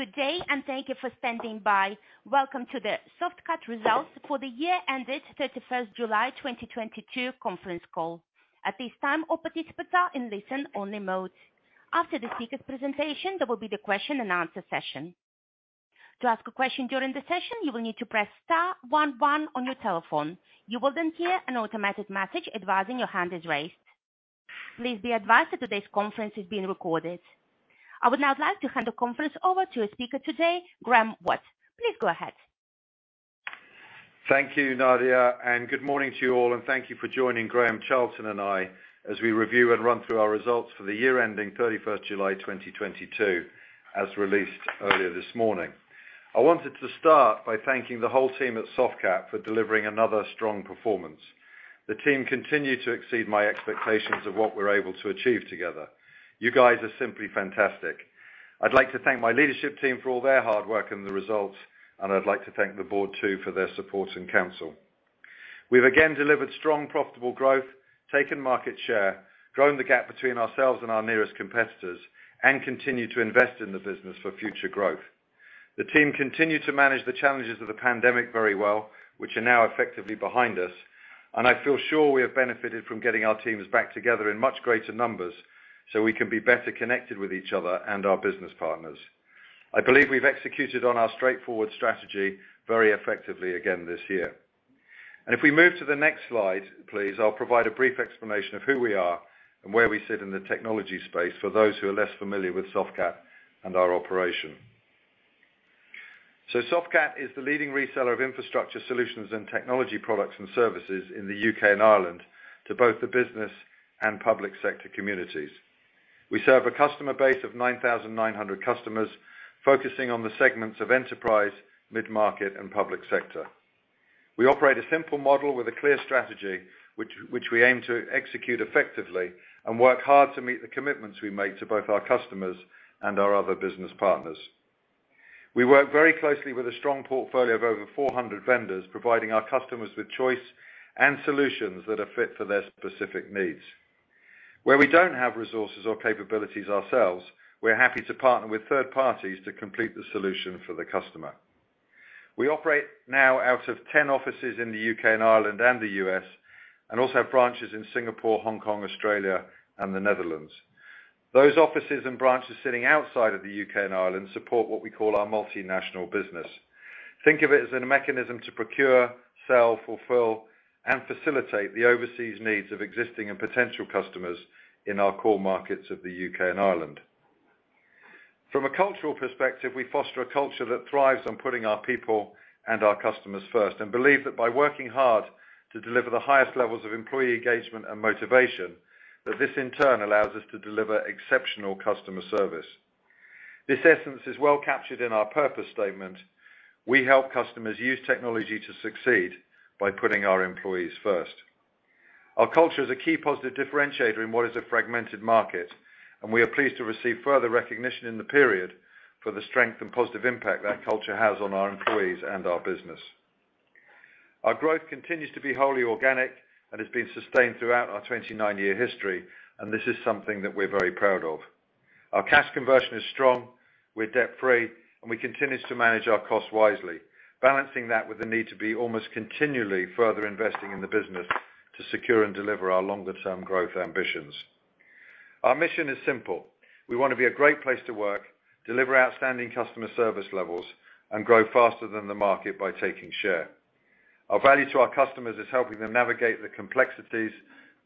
Good day, and thank you for standing by. Welcome to the Softcat results for the year ended 31st July 2022 conference call. At this time, all participants are in listen only mode. After the speaker presentation, there will be the question and answer session. To ask a question during the session, you will need to press star one one on your telephone. You will then hear an automatic message advising your hand is raised. Please be advised that today's conference is being recorded. I would now like to hand the conference over to a speaker today, Graeme Watt. Please go ahead. Thank you, Nadia, and good morning to you all, and thank you for joining Graham Charlton and I as we review and run through our results for the year ending 31 July 2022, as released earlier this morning. I wanted to start by thanking the whole team at Softcat for delivering another strong performance. The team continued to exceed my expectations of what we're able to achieve together. You guys are simply fantastic. I'd like to thank my leadership team for all their hard work and the results, and I'd like to thank the board too for their support and counsel. We've again delivered strong, profitable growth, taken market share, grown the gap between ourselves and our nearest competitors, and continue to invest in the business for future growth. The team continued to manage the challenges of the pandemic very well, which are now effectively behind us, and I feel sure we have benefited from getting our teams back together in much greater numbers so we can be better connected with each other and our business partners. I believe we've executed on our straightforward strategy very effectively again this year. If we move to the next slide, please, I'll provide a brief explanation of who we are and where we sit in the technology space for those who are less familiar with Softcat and our operation. Softcat is the leading reseller of infrastructure solutions and technology products and services in the U.K. and Ireland to both the business and public sector communities. We serve a customer base of 9,900 customers focusing on the segments of enterprise, mid-market, and public sector. We operate a simple model with a clear strategy, which we aim to execute effectively and work hard to meet the commitments we make to both our customers and our other business partners. We work very closely with a strong portfolio of over 400 vendors, providing our customers with choice and solutions that are fit for their specific needs. Where we don't have resources or capabilities ourselves, we're happy to partner with third parties to complete the solution for the customer. We operate now out of 10 offices in the U.K. and Ireland and the U.S. and also have branches in Singapore, Hong Kong, Australia, and the Netherlands. Those offices and branches sitting outside of the U.K. and Ireland support what we call our multinational business. Think of it as a mechanism to procure, sell, fulfill, and facilitate the overseas needs of existing and potential customers in our core markets of the U.K. and Ireland. From a cultural perspective, we foster a culture that thrives on putting our people and our customers first, and believe that by working hard to deliver the highest levels of employee engagement and motivation, that this in turn allows us to deliver exceptional customer service. This essence is well captured in our purpose statement. We help customers use technology to succeed by putting our employees first. Our culture is a key positive differentiator in what is a fragmented market, and we are pleased to receive further recognition in the period for the strength and positive impact that culture has on our employees and our business. Our growth continues to be wholly organic and has been sustained throughout our 29-year history, and this is something that we're very proud of. Our cash conversion is strong, we're debt free, and we continue to manage our costs wisely, balancing that with the need to be almost continually further investing in the business to secure and deliver our longer term growth ambitions. Our mission is simple. We want to be a Great Place to Work, deliver outstanding customer service levels, and grow faster than the market by taking share. Our value to our customers is helping them navigate the complexities,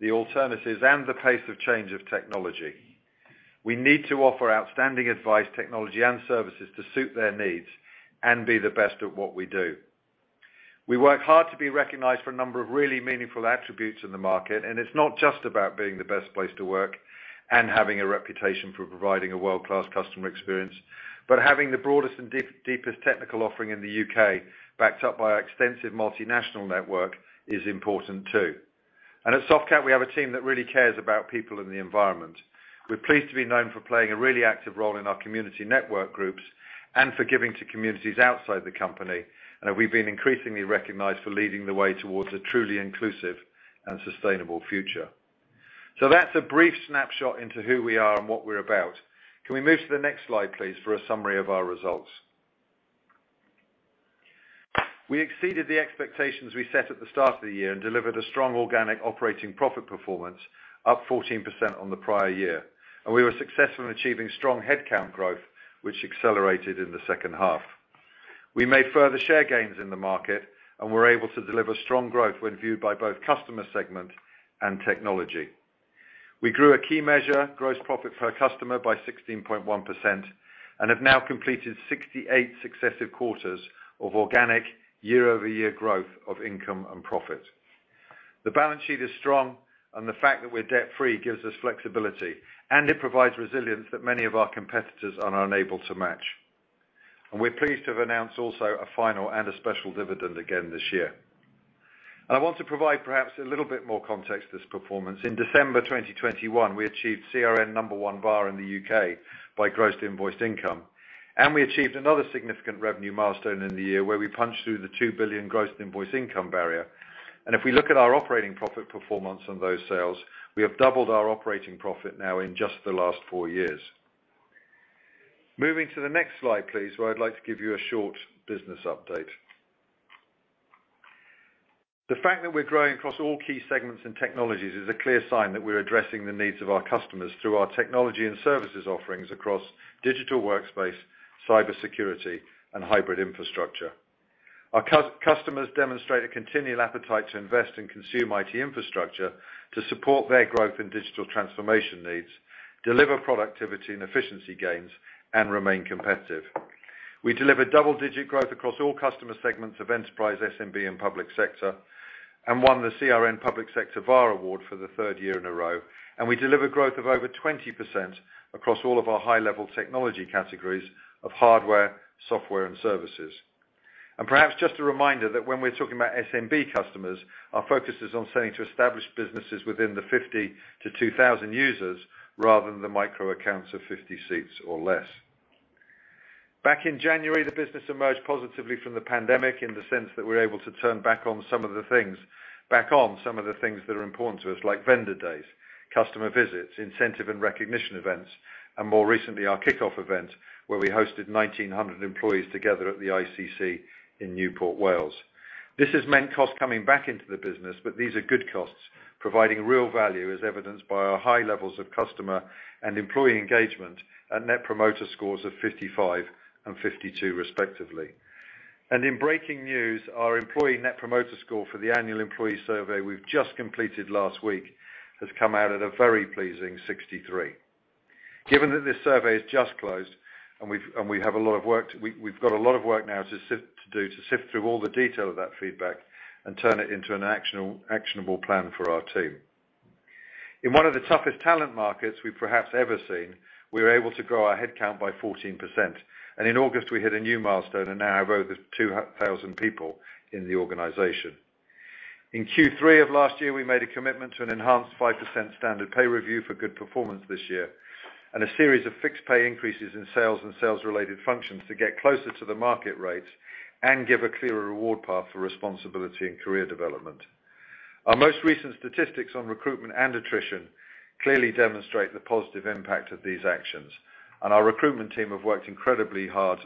the alternatives, and the pace of change of technology. We need to offer outstanding advice, technology, and services to suit their needs and be the best at what we do. We work hard to be recognized for a number of really meaningful attributes in the market, and it's not just about being the best place to work and having a reputation for providing a world-class customer experience, but having the broadest and deepest technical offering in the U.K. backed up by our extensive multinational network is important too. At Softcat, we have a team that really cares about people and the environment. We're pleased to be known for playing a really active role in our community network groups and for giving to communities outside the company, and we've been increasingly recognized for leading the way towards a truly inclusive and sustainable future. That's a brief snapshot into who we are and what we're about. Can we move to the next slide, please, for a summary of our results? We exceeded the expectations we set at the start of the year and delivered a strong organic operating profit performance, up 14% on the prior year. We were successful in achieving strong headcount growth, which accelerated in the second half. We made further share gains in the market and were able to deliver strong growth when viewed by both customer segment and technology. We grew a key measure, gross profit per customer, by 16.1% and have now completed 68 successive quarters of organic year-over-year growth of income and profit. The balance sheet is strong, and the fact that we're debt free gives us flexibility, and it provides resilience that many of our competitors are unable to match. We're pleased to have announced also a final and a special dividend again this year. I want to provide perhaps a little bit more context to this performance. In December 2021, we achieved CRN number one VAR in the U.K. by gross invoiced income, and we achieved another significant revenue milestone in the year where we punched through the 2 billion gross invoice income barrier. If we look at our operating profit performance on those sales, we have doubled our operating profit now in just the last four years. Moving to the next slide, please, where I'd like to give you a short business update. The fact that we're growing across all key segments and technologies is a clear sign that we're addressing the needs of our customers through our technology and services offerings across digital workspace, cybersecurity, and hybrid infrastructure. Our customers demonstrate a continual appetite to invest and consume IT infrastructure to support their growth in digital transformation needs, deliver productivity and efficiency gains, and remain competitive. We deliver double-digit growth across all customer segments of enterprise, SMB, and public sector, and won the CRN Public Sector VAR award for the third year in a row, and we deliver growth of over 20% across all of our high-level technology categories of hardware, software, and services. Perhaps just a reminder that when we're talking about SMB customers, our focus is on selling to established businesses within the 50 to 2,000 users rather than the micro accounts of 50 seats or less. Back in January, the business emerged positively from the pandemic in the sense that we're able to turn back on some of the things that are important to us like vendor days, customer visits, incentive and recognition events, and more recently, our kickoff event, where we hosted 1,900 employees together at the ICC in Newport, Wales. This has meant costs coming back into the business, but these are good costs, providing real value as evidenced by our high levels of customer and employee engagement and Net Promoter Scores of 55 and 52 respectively. In breaking news, our employee Net Promoter Score for the annual employee survey we've just completed last week has come out at a very pleasing 63. Given that this survey has just closed and we've got a lot of work now to sift through all the detail of that feedback and turn it into an actionable plan for our team. In one of the toughest talent markets we've ever seen, we were able to grow our headcount by 14%, and in August, we hit a new milestone and now have over 2,000 people in the organization. In Q3 of last year, we made a commitment to an enhanced 5% standard pay review for good performance this year, and a series of fixed pay increases in sales and sales-related functions to get closer to the market rates and give a clearer reward path for responsibility and career development. Our most recent statistics on recruitment and attrition clearly demonstrate the positive impact of these actions, and our recruitment team have worked incredibly hard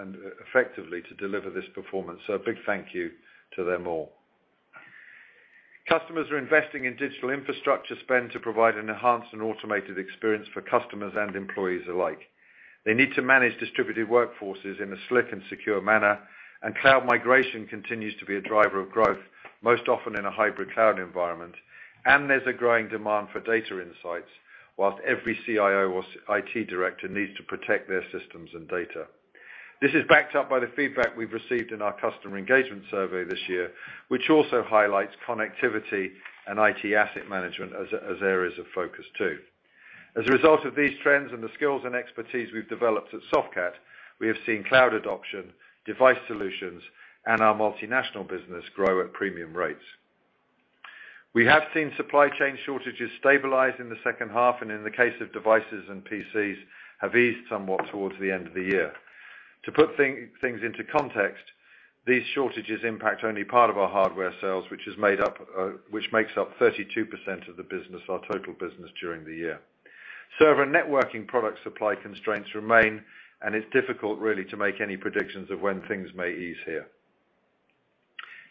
and effectively to deliver this performance. A big thank you to them all. Customers are investing in digital infrastructure spend to provide an enhanced and automated experience for customers and employees alike. They need to manage distributed workforces in a slick and secure manner, and cloud migration continues to be a driver of growth, most often in a hybrid cloud environment, and there's a growing demand for data insights, while every CIO or IT director needs to protect their systems and data. This is backed up by the feedback we've received in our customer engagement survey this year, which also highlights connectivity and IT asset management as areas of focus too. As a result of these trends and the skills and expertise we've developed at Softcat, we have seen cloud adoption, device solutions, and our multinational business grow at premium rates. We have seen supply chain shortages stabilize in the second half, and in the case of devices and PCs, have eased somewhat towards the end of the year. To put things into context, these shortages impact only part of our hardware sales, which makes up 32% of the business, our total business during the year. Server networking product supply constraints remain, and it's difficult really to make any predictions of when things may ease here.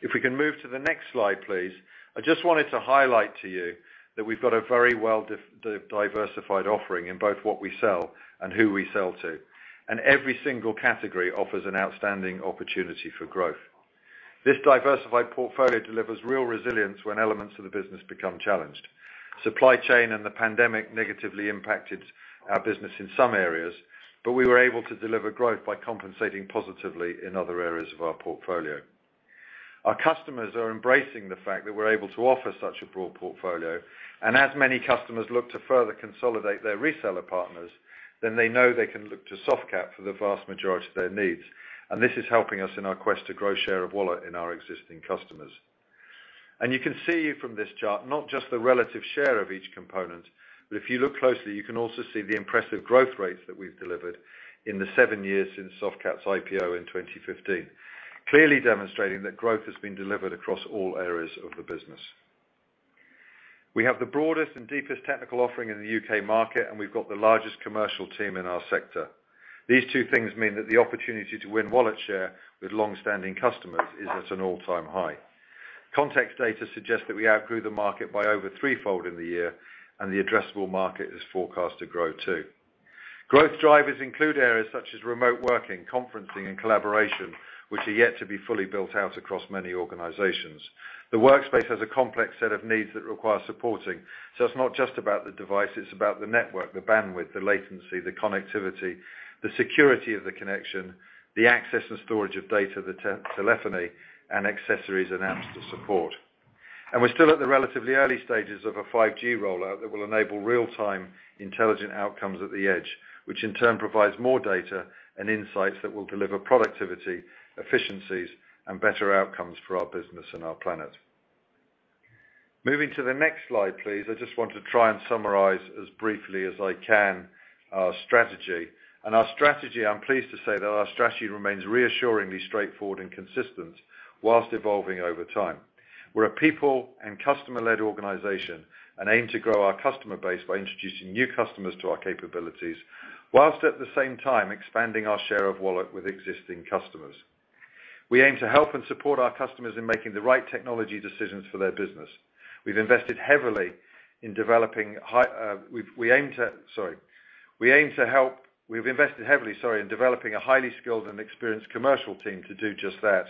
If we can move to the next slide, please. I just wanted to highlight to you that we've got a very well diversified offering in both what we sell and who we sell to, and every single category offers an outstanding opportunity for growth. This diversified portfolio delivers real resilience when elements of the business become challenged. Supply chain and the pandemic negatively impacted our business in some areas, but we were able to deliver growth by compensating positively in other areas of our portfolio. Our customers are embracing the fact that we're able to offer such a broad portfolio, and as many customers look to further consolidate their reseller partners, then they know they can look to Softcat for the vast majority of their needs. This is helping us in our quest to grow share of wallet in our existing customers. You can see from this chart not just the relative share of each component, but if you look closely, you can also see the impressive growth rates that we've delivered in the seven years since Softcat's IPO in 2015, clearly demonstrating that growth has been delivered across all areas of the business. We have the broadest and deepest technical offering in the U.K. market, and we've got the largest commercial team in our sector. These two things mean that the opportunity to win wallet share with long-standing customers is at an all-time high. Context data suggests that we outgrew the market by over threefold in the year, and the addressable market is forecast to grow too. Growth drivers include areas such as remote working, conferencing, and collaboration, which are yet to be fully built out across many organizations. The workspace has a complex set of needs that require supporting, so it's not just about the device, it's about the network, the bandwidth, the latency, the connectivity, the security of the connection, the access and storage of data, telephony, and accessories and apps to support. We're still at the relatively early stages of a 5G rollout that will enable real-time intelligent outcomes at the edge, which in turn provides more data and insights that will deliver productivity, efficiencies, and better outcomes for our business and our planet. Moving to the next slide, please. I just want to try and summarize as briefly as I can our strategy. Our strategy, I'm pleased to say that our strategy remains reassuringly straightforward and consistent whilst evolving over time. We're a people and customer-led organization and aim to grow our customer base by introducing new customers to our capabilities while at the same time expanding our share of wallet with existing customers. We aim to help and support our customers in making the right technology decisions for their business. We've invested heavily in developing a highly skilled and experienced commercial team to do just that,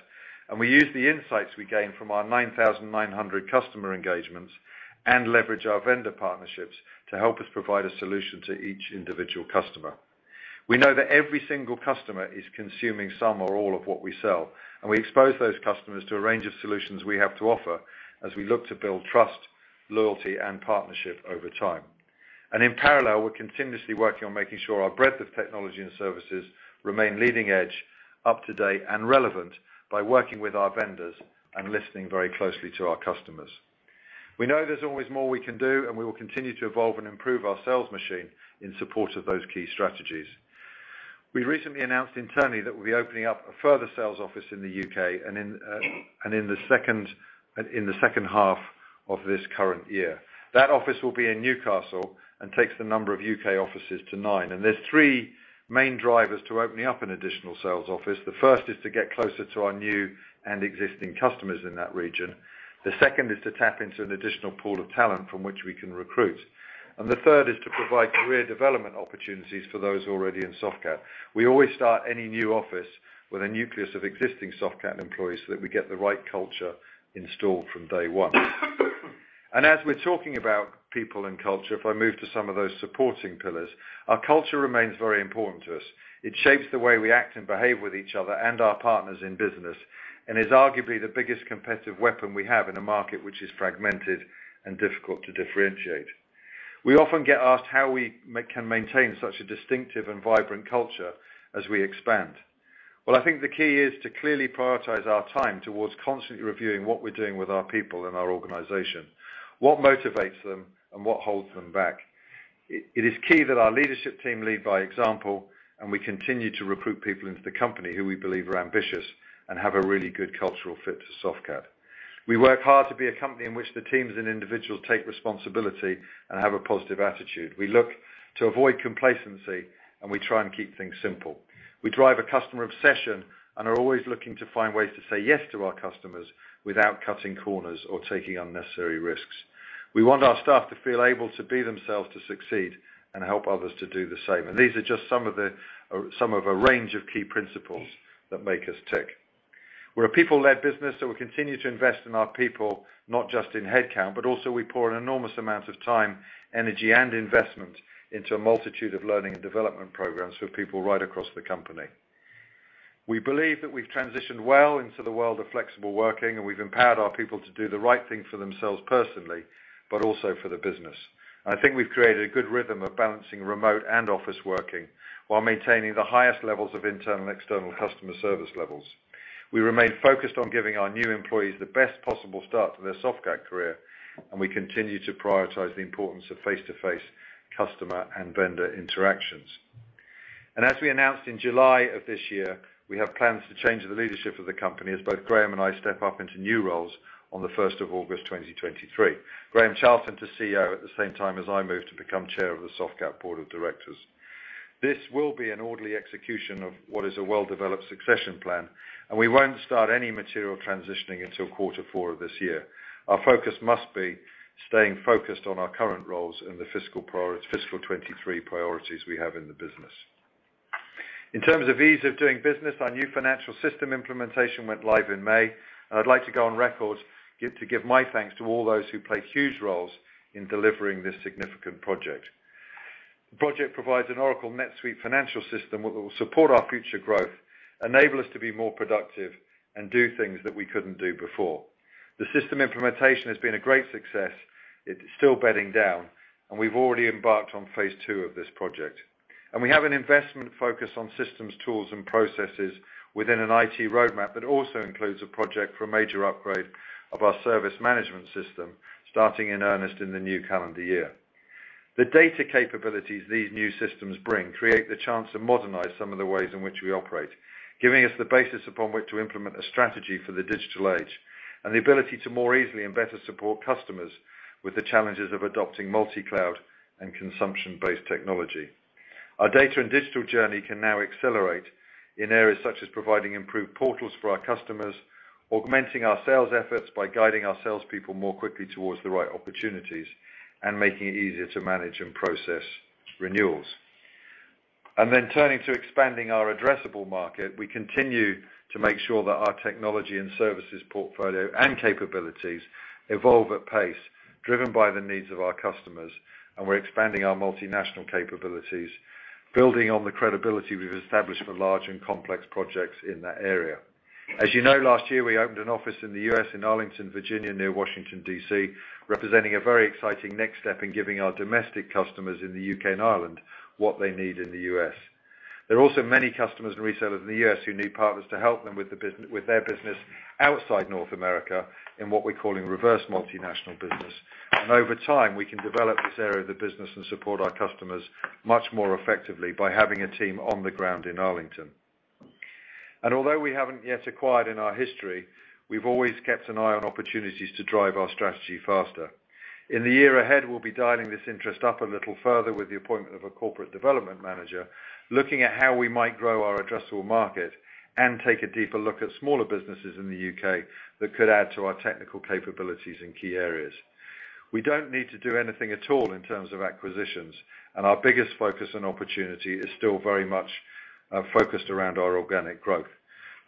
and we use the insights we gain from our 9,900 customer engagements and leverage our vendor partnerships to help us provide a solution to each individual customer. We know that every single customer is consuming some or all of what we sell, and we expose those customers to a range of solutions we have to offer as we look to build trust, loyalty, and partnership over time. In parallel, we're continuously working on making sure our breadth of technology and services remain leading edge, up-to-date, and relevant by working with our vendors and listening very closely to our customers. We know there's always more we can do, and we will continue to evolve and improve our sales machine in support of those key strategies. We recently announced internally that we'll be opening up a further sales office in the U.K. and in the second half of this current year. That office will be in Newcastle and takes the number of U.K. offices to nine. There's three main drivers to opening up an additional sales office. The first is to get closer to our new and existing customers in that region. The second is to tap into an additional pool of talent from which we can recruit. And the third is to provide career development opportunities for those already in Softcat. We always start any new office with a nucleus of existing Softcat employees so that we get the right culture installed from day one. As we're talking about people and culture, if I move to some of those supporting pillars, our culture remains very important to us. It shapes the way we act and behave with each other and our partners in business, and is arguably the biggest competitive weapon we have in a market which is fragmented and difficult to differentiate. We often get asked how we maintain such a distinctive and vibrant culture as we expand. Well, I think the key is to clearly prioritize our time towards constantly reviewing what we're doing with our people and our organization, what motivates them and what holds them back. It is key that our leadership team lead by example, and we continue to recruit people into the company who we believe are ambitious and have a really good cultural fit to Softcat. We work hard to be a company in which the teams and individuals take responsibility and have a positive attitude. We look to avoid complacency, and we try and keep things simple. We drive a customer obsession and are always looking to find ways to say yes to our customers without cutting corners or taking unnecessary risks. We want our staff to feel able to be themselves to succeed and help others to do the same. These are just some of a range of key principles that make us tick. We're a people-led business, so we continue to invest in our people, not just in headcount, but also we pour an enormous amount of time, energy, and investment into a multitude of learning and development programs for people right across the company. We believe that we've transitioned well into the world of flexible working, and we've empowered our people to do the right thing for themselves personally, but also for the business. I think we've created a good rhythm of balancing remote and office working while maintaining the highest levels of internal and external customer service levels. We remain focused on giving our new employees the best possible start to their Softcat career, and we continue to prioritize the importance of face-to-face customer and vendor interactions. As we announced in July of this year, we have plans to change the leadership of the company as both Graham and I step up into new roles on the first of August 2023. Graham Charlton to CEO at the same time as I move to become chair of the Softcat board of directors. This will be an orderly execution of what is a well-developed succession plan, and we won't start any material transitioning until quarter four of this year. Our focus must be staying focused on our current roles and the fiscal 2023 priorities we have in the business. In terms of ease of doing business, our new financial system implementation went live in May, and I'd like to go on record to give my thanks to all those who played huge roles in delivering this significant project. The project provides an Oracle NetSuite financial system that will support our future growth, enable us to be more productive, and do things that we couldn't do before. The system implementation has been a great success. It is still bedding down, and we've already embarked on phase two of this project. We have an investment focus on systems, tools, and processes within an IT roadmap that also includes a project for a major upgrade of our service management system, starting in earnest in the new calendar year. The data capabilities these new systems bring create the chance to modernize some of the ways in which we operate, giving us the basis upon which to implement a strategy for the digital age and the ability to more easily and better support customers with the challenges of adopting multi-cloud and consumption-based technology. Our data and digital journey can now accelerate in areas such as providing improved portals for our customers, augmenting our sales efforts by guiding our salespeople more quickly towards the right opportunities, and making it easier to manage and process renewals. Turning to expanding our addressable market, we continue to make sure that our technology and services portfolio and capabilities evolve at pace driven by the needs of our customers, and we're expanding our multinational capabilities, building on the credibility we've established for large and complex projects in that area. As you know, last year, we opened an office in the U.S. in Arlington, Virginia, near Washington, D.C., representing a very exciting next step in giving our domestic customers in the U.K. and Ireland what they need in the U.S.. There are also many customers and resellers in the U.S. who need partners to help them with their business outside North America in what we're calling reverse multinational business. Over time, we can develop this area of the business and support our customers much more effectively by having a team on the ground in Arlington. Although we haven't yet acquired in our history, we've always kept an eye on opportunities to drive our strategy faster. In the year ahead, we'll be dialing this interest up a little further with the appointment of a corporate development manager, looking at how we might grow our addressable market and take a deeper look at smaller businesses in the U.K. that could add to our technical capabilities in key areas. We don't need to do anything at all in terms of acquisitions, and our biggest focus on opportunity is still very much focused around our organic growth.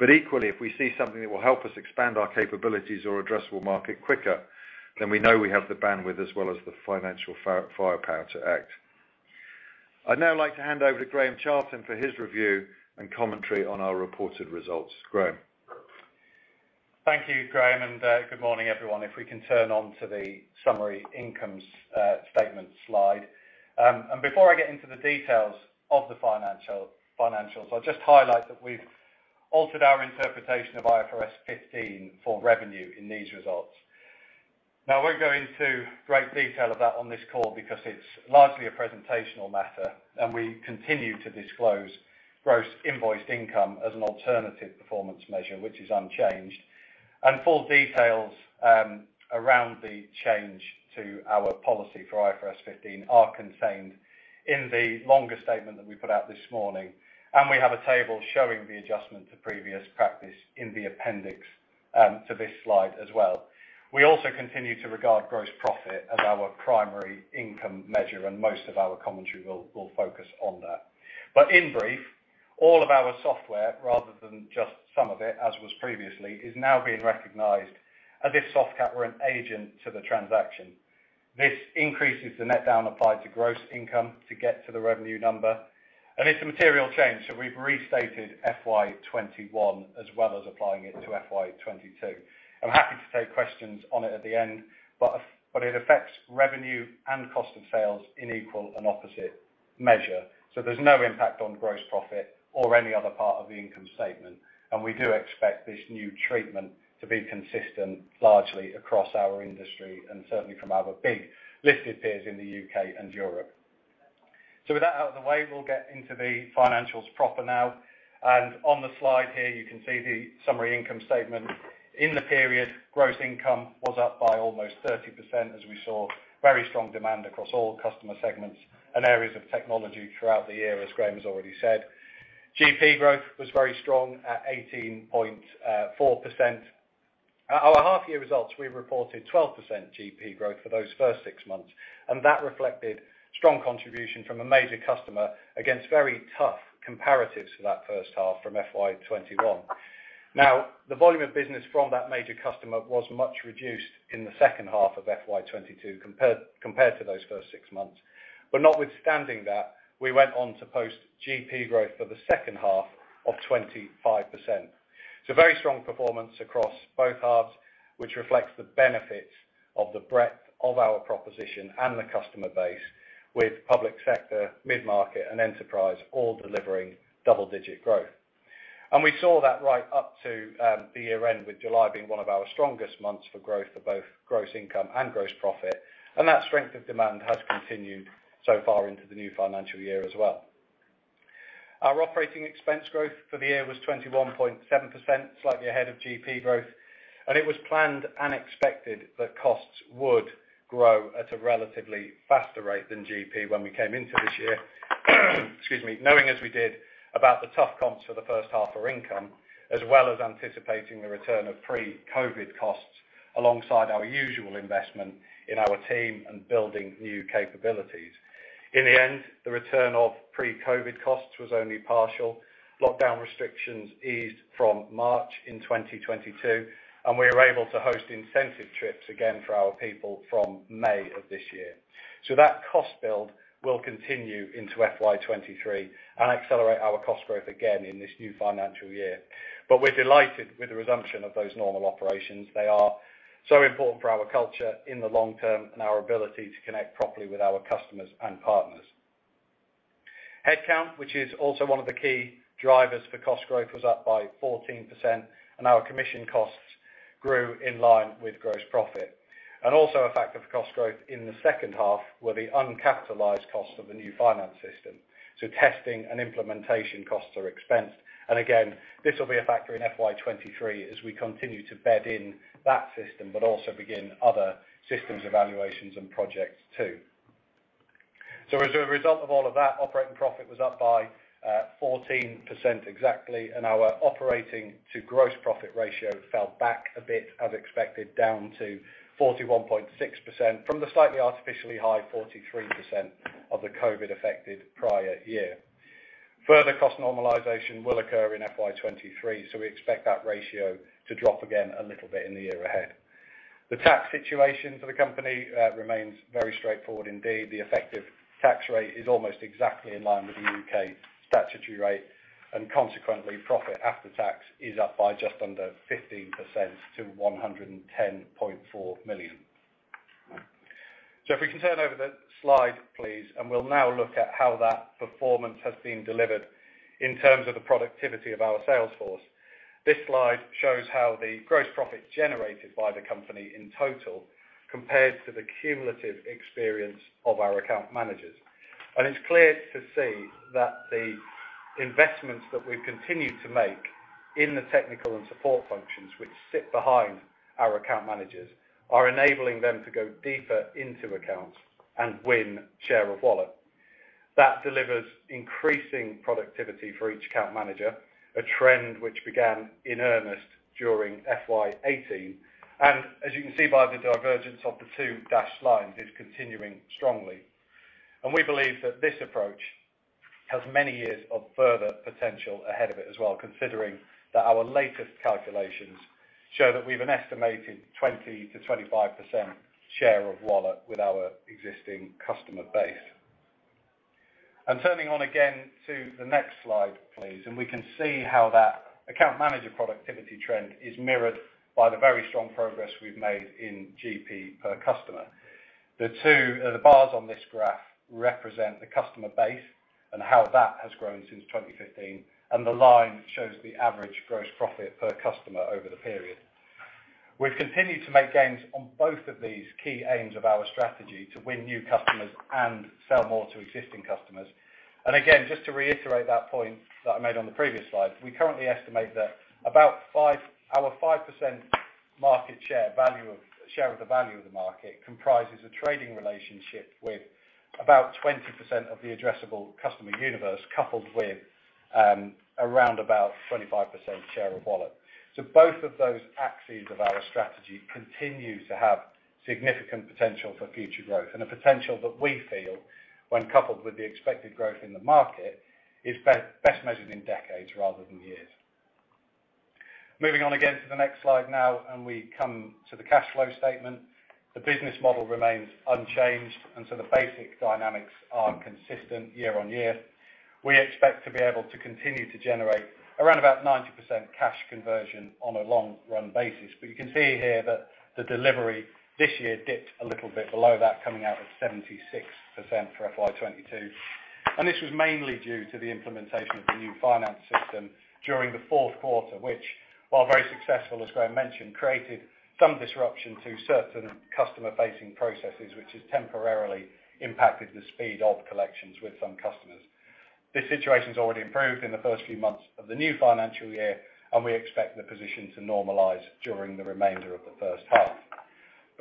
Equally, if we see something that will help us expand our capabilities or addressable market quicker, then we know we have the bandwidth as well as the financial firepower to act. I'd now like to hand over to Graham Charlton for his review and commentary on our reported results. Graham? Thank you, Graham, and good morning, everyone. If we can turn on to the summary income statement slide. Before I get into the details of the financials, I'll just highlight that we've altered our interpretation of IFRS 15 for revenue in these results. Now, we're not going into great detail on this call because it's largely a presentational matter, and we continue to disclose gross invoiced income as an alternative performance measure, which is unchanged. Full details around the change to our policy for IFRS 15 are contained in the longer statement that we put out this morning. We have a table showing the adjustment to previous practice in the appendix to this slide as well. We also continue to regard gross profit as our primary income measure, and most of our commentary will focus on that. In brief, all of our software, rather than just some of it, as was previously, is now being recognized as if Softcat were an agent to the transaction. This increases the net down applied to gross income to get to the revenue number. It's a material change, so we've restated FY 2021 as well as applying it to FY 2022. I'm happy to take questions on it at the end, but it affects revenue and cost of sales in equal and opposite measure. There's no impact on gross profit or any other part of the income statement. We do expect this new treatment to be consistent largely across our industry and certainly from our big listed peers in the U.K. and Europe. With that out of the way, we'll get into the financials proper now. On the slide here, you can see the summary income statement. In the period, gross income was up by almost 30% as we saw very strong demand across all customer segments and areas of technology throughout the year, as Graham has already said. GP growth was very strong at 18.4%. At our half-year results, we reported 12% GP growth for those first six months, and that reflected strong contribution from a major customer against very tough comparatives for that first half from FY 2021. Now, the volume of business from that major customer was much reduced in the second half of FY 2022 compared to those first six months. Notwithstanding that, we went on to post GP growth for the second half of 25%. It's a very strong performance across both halves, which reflects the benefits of the breadth of our proposition and the customer base with public sector, mid-market, and enterprise all delivering double-digit growth. We saw that right up to the year end, with July being one of our strongest months for growth for both gross income and gross profit. That strength of demand has continued so far into the new financial year as well. Our operating expense growth for the year was 21.7%, slightly ahead of GP growth. It was planned and expected that costs would grow at a relatively faster rate than GP when we came into this year, excuse me, knowing as we did about the tough comps for the first half our income, as well as anticipating the return of pre-COVID costs alongside our usual investment in our team and building new capabilities. In the end, the return of pre-COVID costs was only partial. Lockdown restrictions eased from March in 2022, and we were able to host incentive trips again for our people from May of this year. That cost build will continue into FY 2023 and accelerate our cost growth again in this new financial year. We're delighted with the resumption of those normal operations. They are so important for our culture in the long term and our ability to connect properly with our customers and partners. Headcount, which is also one of the key drivers for cost growth, was up by 14%, and our commission costs grew in line with gross profit. Also a factor of cost growth in the second half were the uncapitalized cost of the new finance system. Testing and implementation costs are expensed. Again, this will be a factor in FY 2023 as we continue to bed in that system, but also begin other systems evaluations and projects too. As a result of all of that, operating profit was up by 14% exactly, and our operating to gross profit ratio fell back a bit as expected, down to 41.6% from the slightly artificially high 43% of the COVID affected prior year. Further cost normalization will occur in FY 2023, so we expect that ratio to drop again a little bit in the year ahead. The tax situation for the company remains very straightforward indeed. The effective tax rate is almost exactly in line with the U.K. statutory rate, and consequently, profit after tax is up by just under 15% to 110.4 million. If we can turn over the slide, please, and we'll now look at how that performance has been delivered in terms of the productivity of our sales force. This slide shows how the gross profit generated by the company in total compares to the cumulative experience of our account managers. It's clear to see that the investments that we've continued to make in the technical and support functions, which sit behind our account managers, are enabling them to go deeper into accounts and win share of wallet. That delivers increasing productivity for each account manager, a trend which began in earnest during FY 2018. As you can see by the divergence of the two dashed lines, is continuing strongly. We believe that this approach has many years of further potential ahead of it as well, considering that our latest calculations show that we have an estimated 20%-25% share of wallet with our existing customer base. Turning once again to the next slide, please, and we can see how that account manager productivity trend is mirrored by the very strong progress we've made in GP per customer. The two bars on this graph represent the customer base and how that has grown since 2015, and the line shows the average gross profit per customer over the period. We've continued to make gains on both of these key aims of our strategy to win new customers and sell more to existing customers. Again, just to reiterate that point that I made on the previous slide, we currently estimate that our 5% market share of the value of the market comprises a trading relationship with about 20% of the addressable customer universe, coupled with around about 25% share of wallet. Both of those axes of our strategy continue to have significant potential for future growth and a potential that we feel when coupled with the expected growth in the market, is best measured in decades rather than years. Moving on again to the next slide now, and we come to the cash flow statement. The business model remains unchanged, and so the basic dynamics are consistent year-over-year. We expect to be able to continue to generate around about 90% cash conversion on a long-run basis. You can see here that the delivery this year dipped a little bit below that coming out at 76% for FY 2022, and this was mainly due to the implementation of the new finance system during the fourth quarter, which while very successful, as Graham mentioned, created some disruption to certain customer-facing processes, which has temporarily impacted the speed of collections with some customers. This situation's already improved in the first few months of the new financial year, and we expect the position to normalize during the remainder of the first half.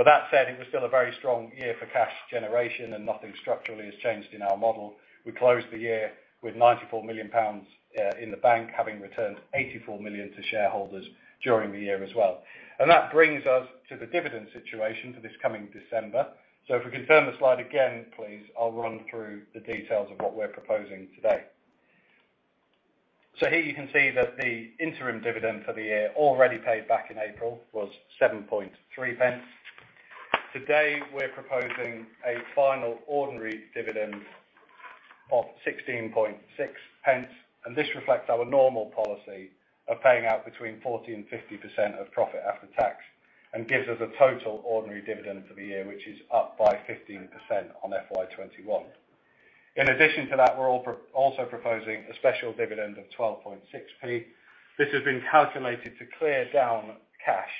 That said, it was still a very strong year for cash generation, and nothing structurally has changed in our model. We closed the year with 94 million pounds in the bank, having returned 84 million to shareholders during the year as well. That brings us to the dividend situation for this coming December. If we can turn the slide again, please, I'll run through the details of what we're proposing today. Here you can see that the interim dividend for the year already paid back in April was 0.073 pence. Today, we're proposing a final ordinary dividend of 0.166 pence, and this reflects our normal policy of paying out between 40%-50% of profit after tax and gives us a total ordinary dividend for the year, which is up by 15% on FY 2021. In addition to that, we're also proposing a special dividend of 0.126. This has been calculated to clear down cash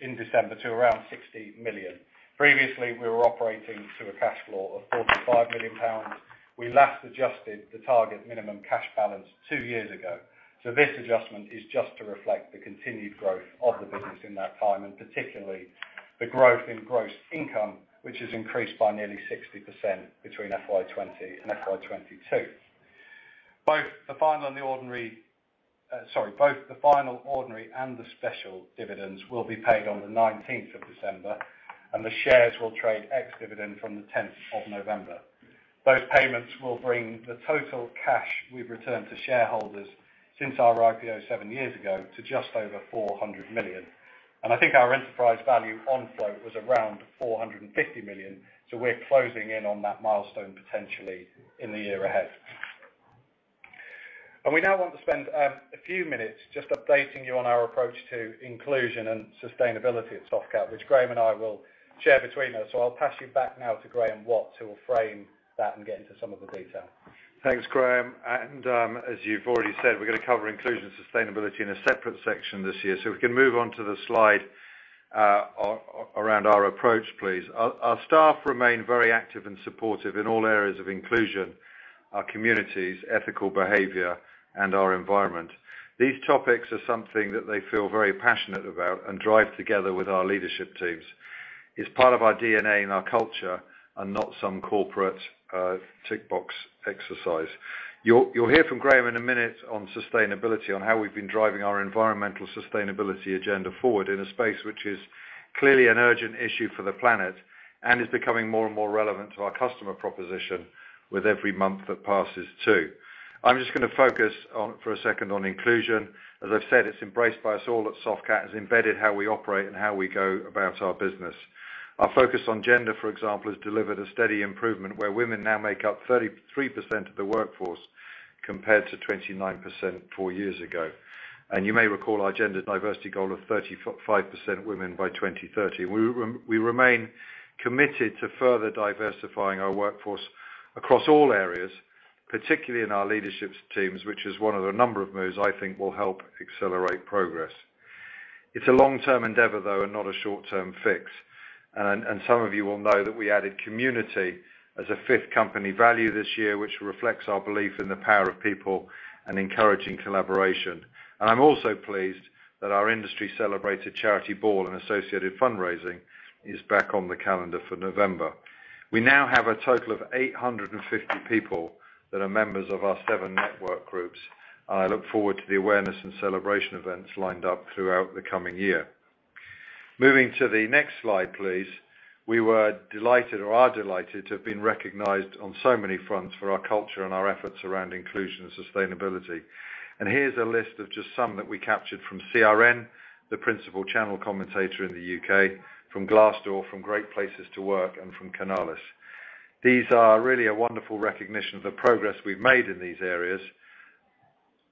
in December to around 60 million. Previously, we were operating to a cash flow of 45 million pounds. We last adjusted the target minimum cash balance two years ago. This adjustment is just to reflect the continued growth of the business in that time, and particularly the growth in gross income, which has increased by nearly 60% between FY 2020 and FY 2022. Both the final ordinary and the special dividends will be paid on the 19th of December, and the shares will trade ex-dividend from the 10th of November. Those payments will bring the total cash we've returned to shareholders since our IPO seven years ago to just over 400 million. I think our enterprise value on float was around 450 million. We're closing in on that milestone potentially in the year ahead. We now want to spend a few minutes just updating you on our approach to inclusion and sustainability at Softcat, which Graham and I will share between us. I'll pass you back now to Graeme Watt, who will frame that and get into some of the detail. Thanks, Graham. As you've already said, we're gonna cover inclusion and sustainability in a separate section this year. If we can move on to the slide around our approach, please. Our staff remain very active and supportive in all areas of inclusion, our communities, ethical behavior, and our environment. These topics are something that they feel very passionate about and drive together with our leadership teams. It's part of our DNA and our culture and not some corporate tick box exercise. You'll hear from Graham in a minute on sustainability, on how we've been driving our environmental sustainability agenda forward in a space which is clearly an urgent issue for the planet and is becoming more and more relevant to our customer proposition with every month that passes too. I'm just gonna focus on for a second on inclusion. As I've said, it's embraced by us all at Softcat. It's embedded how we operate and how we go about our business. Our focus on gender, for example, has delivered a steady improvement where women now make up 33% of the workforce. Compared to 29% four years ago. You may recall our gender diversity goal of 35% women by 2030. We remain committed to further diversifying our workforce across all areas, particularly in our leadership teams, which is one of a number of moves I think will help accelerate progress. It's a long-term endeavor, though, and not a short-term fix. Some of you will know that we added community as a fifth company value this year, which reflects our belief in the power of people and encouraging collaboration. I'm also pleased that our industry celebrated charity ball and associated fundraising is back on the calendar for November. We now have a total of 850 people that are members of our seven network groups. I look forward to the awareness and celebration events lined up throughout the coming year. Moving to the next slide, please. We were delighted, or are delighted, to have been recognized on so many fronts for our culture and our efforts around inclusion and sustainability. Here's a list of just some that we captured from CRN, the principal channel commentator in the U.K., from Glassdoor, from Great Place to Work, and from Canalys. These are really a wonderful recognition of the progress we've made in these areas.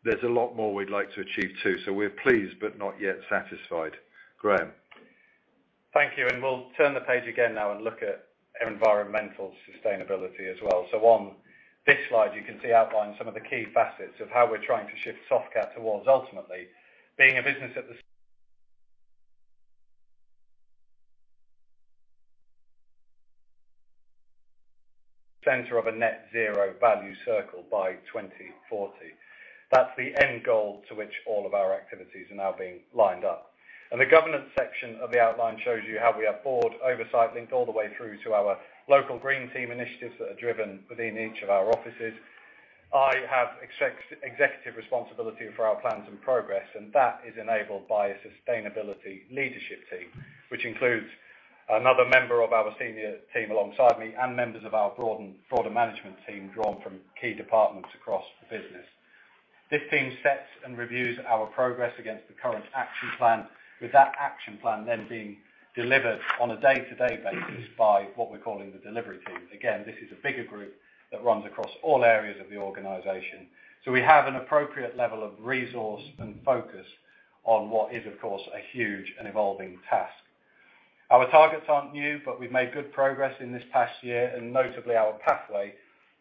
There's a lot more we'd like to achieve too, so we're pleased but not yet satisfied. Graham. Thank you. We'll turn the page again now and look at environmental sustainability as well. On this slide, you can see outlined some of the key facets of how we're trying to shift Softcat towards ultimately being a business at the center of a Net Zero value circle by 2040. That's the end goal to which all of our activities are now being lined up. The governance section of the outline shows you how we have board oversight linked all the way through to our local green team initiatives that are driven within each of our offices. I have executive responsibility for our plans and progress, and that is enabled by a sustainability leadership team, which includes another member of our senior team alongside me and members of our broader management team drawn from key departments across the business. This team sets and reviews our progress against the current action plan, with that action plan then being delivered on a day-to-day basis by what we're calling the delivery team. Again, this is a bigger group that runs across all areas of the organization. We have an appropriate level of resource and focus on what is, of course, a huge and evolving task. Our targets aren't new, but we've made good progress in this past year, and notably, our pathway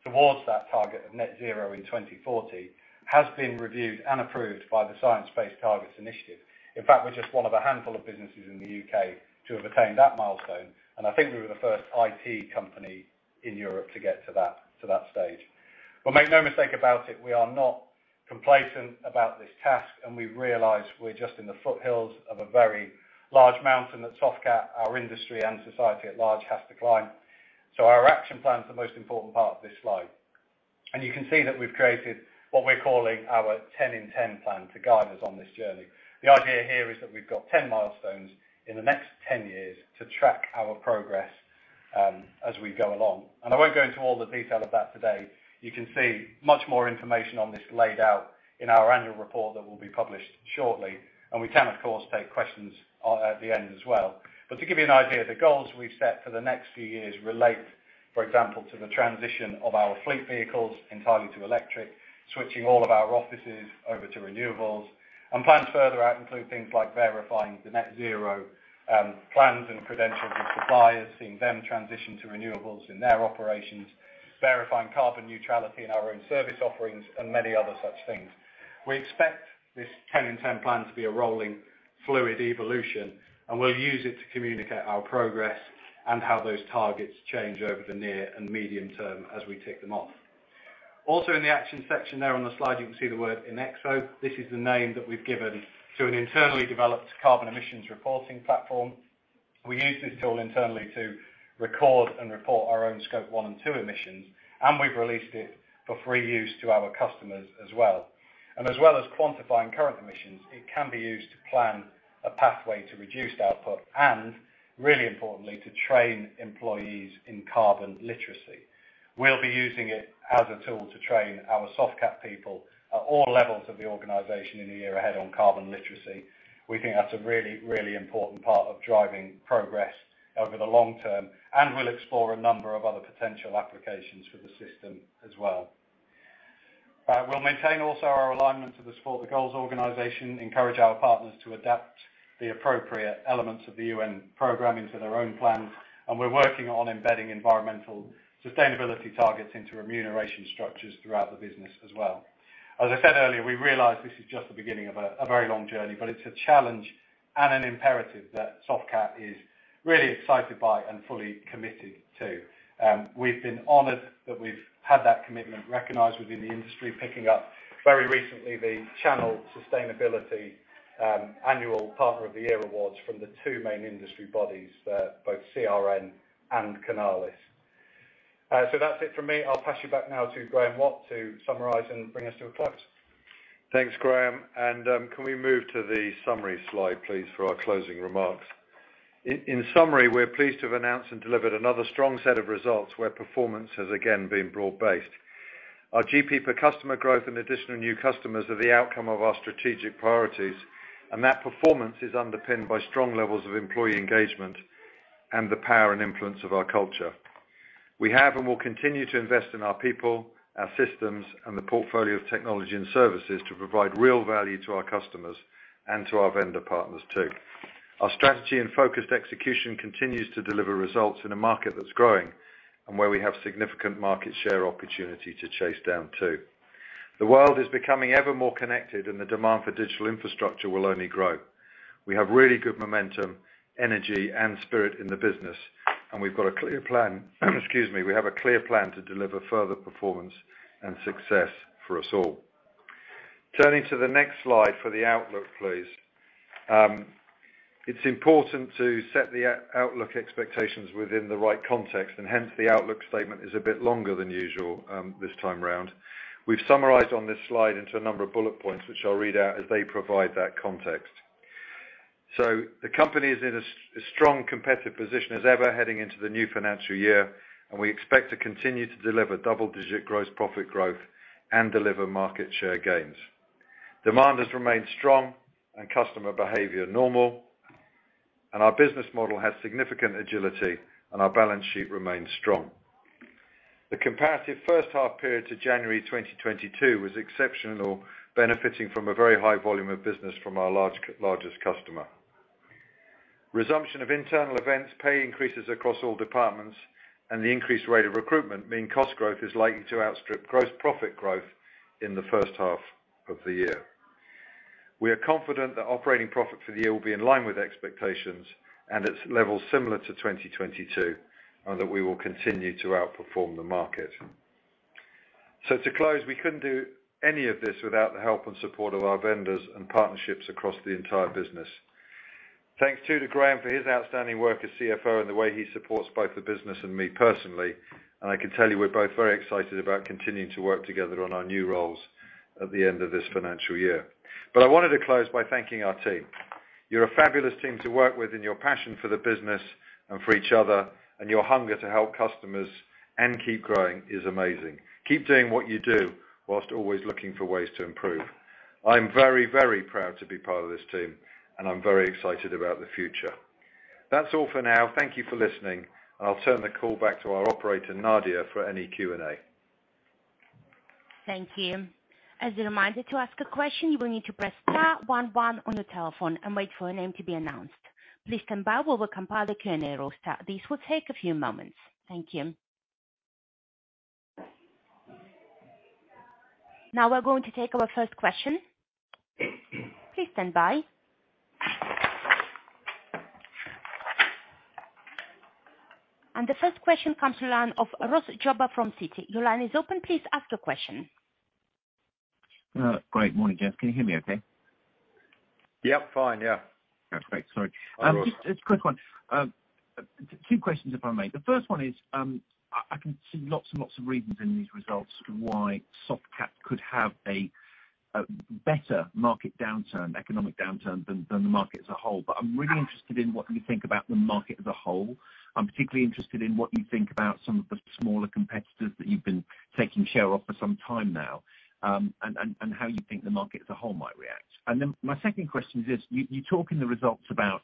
towards that target of Net Zero in 2040 has been reviewed and approved by the Science Based Targets initiative. In fact, we're just one of a handful of businesses in the U.K. to have attained that milestone, and I think we were the first IT company in Europe to get to that stage. Make no mistake about it, we are not complacent about this task, and we realize we're just in the foothills of a very large mountain that Softcat, our industry, and society at large has to climb. Our action plan is the most important part of this slide. You can see that we've created what we're calling our 10 in 10 Plan to guide us on this journey. The idea here is that we've got 10 milestones in the next 10 years to track our progress as we go along. I won't go into all the detail of that today. You can see much more information on this laid out in our annual report that will be published shortly, and we can of course take questions at the end as well. To give you an idea, the goals we've set for the next few years relate, for example, to the transition of our fleet vehicles entirely to electric, switching all of our offices over to renewables, and plans further out include things like verifying the Net Zero plans and credentials of suppliers, seeing them transition to renewables in their operations, verifying carbon neutrality in our own service offerings, and many other such things. We expect this 10 in 10 Plan to be a rolling fluid evolution, and we'll use it to communicate our progress and how those targets change over the near and medium term as we tick them off. Also in the action section there on the slide, you can see the word Enexo. This is the name that we've given to an internally developed carbon emissions reporting platform. We use this tool internally to record and report our own Scope 1 and 2 emissions, and we've released it for free use to our customers as well. As well as quantifying current emissions, it can be used to plan a pathway to reduced output and really importantly, to train employees in carbon literacy. We'll be using it as a tool to train our Softcat people at all levels of the organization in the year ahead on carbon literacy. We think that's a really, really important part of driving progress over the long term, and we'll explore a number of other potential applications for the system as well. We'll maintain also our alignment to the Support the Goals organization, encourage our partners to adapt the appropriate elements of the UN programming to their own plans, and we're working on embedding environmental sustainability targets into remuneration structures throughout the business as well. As I said earlier, we realize this is just the beginning of a very long journey, but it's a challenge and an imperative that Softcat is really excited by and fully committed to. We've been honored that we've had that commitment recognized within the industry, picking up very recently the Channel Sustainability annual Partner of the Year awards from the two main industry bodies, both CRN and Canalys. That's it for me. I'll pass you back now to Graeme Watt to summarize and bring us to a close. Thanks, Graham. Can we move to the summary slide, please, for our closing remarks? In summary, we're pleased to have announced and delivered another strong set of results where performance has again been broad-based. Our GP per customer growth and additional new customers are the outcome of our strategic priorities, and that performance is underpinned by strong levels of employee engagement. The power and influence of our culture. We have and will continue to invest in our people, our systems, and the portfolio of technology and services to provide real value to our customers and to our vendor partners too. Our strategy and focused execution continues to deliver results in a market that's growing and where we have significant market share opportunity to chase down to. The world is becoming ever more connected and the demand for digital infrastructure will only grow. We have really good momentum, energy, and spirit in the business, and we have a clear plan to deliver further performance and success for us all. Turning to the next slide for the outlook, please. It's important to set the outlook expectations within the right context, and hence, the outlook statement is a bit longer than usual, this time around. We've summarized on this slide into a number of bullet points, which I'll read out as they provide that context. The company is in a strong competitive position as ever heading into the new financial year, and we expect to continue to deliver double digit gross profit growth and deliver market share gains. Demand has remained strong and customer behavior normal, and our business model has significant agility and our balance sheet remains strong. The comparative first half period to January 2022 was exceptional, benefiting from a very high volume of business from our largest customer. Resumption of internal events, pay increases across all departments, and the increased rate of recruitment mean cost growth is likely to outstrip gross profit growth in the first half of the year. We are confident that operating profit for the year will be in line with expectations and at levels similar to 2022, and that we will continue to outperform the market. To close, we couldn't do any of this without the help and support of our vendors and partnerships across the entire business. Thanks too to Graham for his outstanding work as CFO and the way he supports both the business and me personally. I can tell you we're both very excited about continuing to work together on our new roles at the end of this financial year. I wanted to close by thanking our team. You're a fabulous team to work with, and your passion for the business and for each other and your hunger to help customers and keep growing is amazing. Keep doing what you do whilst always looking for ways to improve. I'm very, very proud to be part of this team, and I'm very excited about the future. That's all for now. Thank you for listening. I'll turn the call back to our operator, Nadia, for any Q&A. Thank you. As a reminder, to ask a question, you will need to press star one one on the telephone and wait for a name to be announced. Please stand by while we compile a Q&A roster. This will take a few moments. Thank you. Now we're going to take our first question. Please stand by. The first question comes from the line of Ross Jobber from Citi. Your line is open. Please ask your question. Great. Morning. Can you hear me okay? Yep. Fine, yeah. Okay, great. Sorry. Hi, Ross. Just a quick one. Two questions if I may. The first one is, I can see lots and lots of reasons in these results why Softcat could have a better market downturn, economic downturn than the market as a whole. I'm really interested in what you think about the market as a whole. I'm particularly interested in what you think about some of the smaller competitors that you've been taking share of for some time now, and how you think the market as a whole might react. My second question is this, you talk in the results about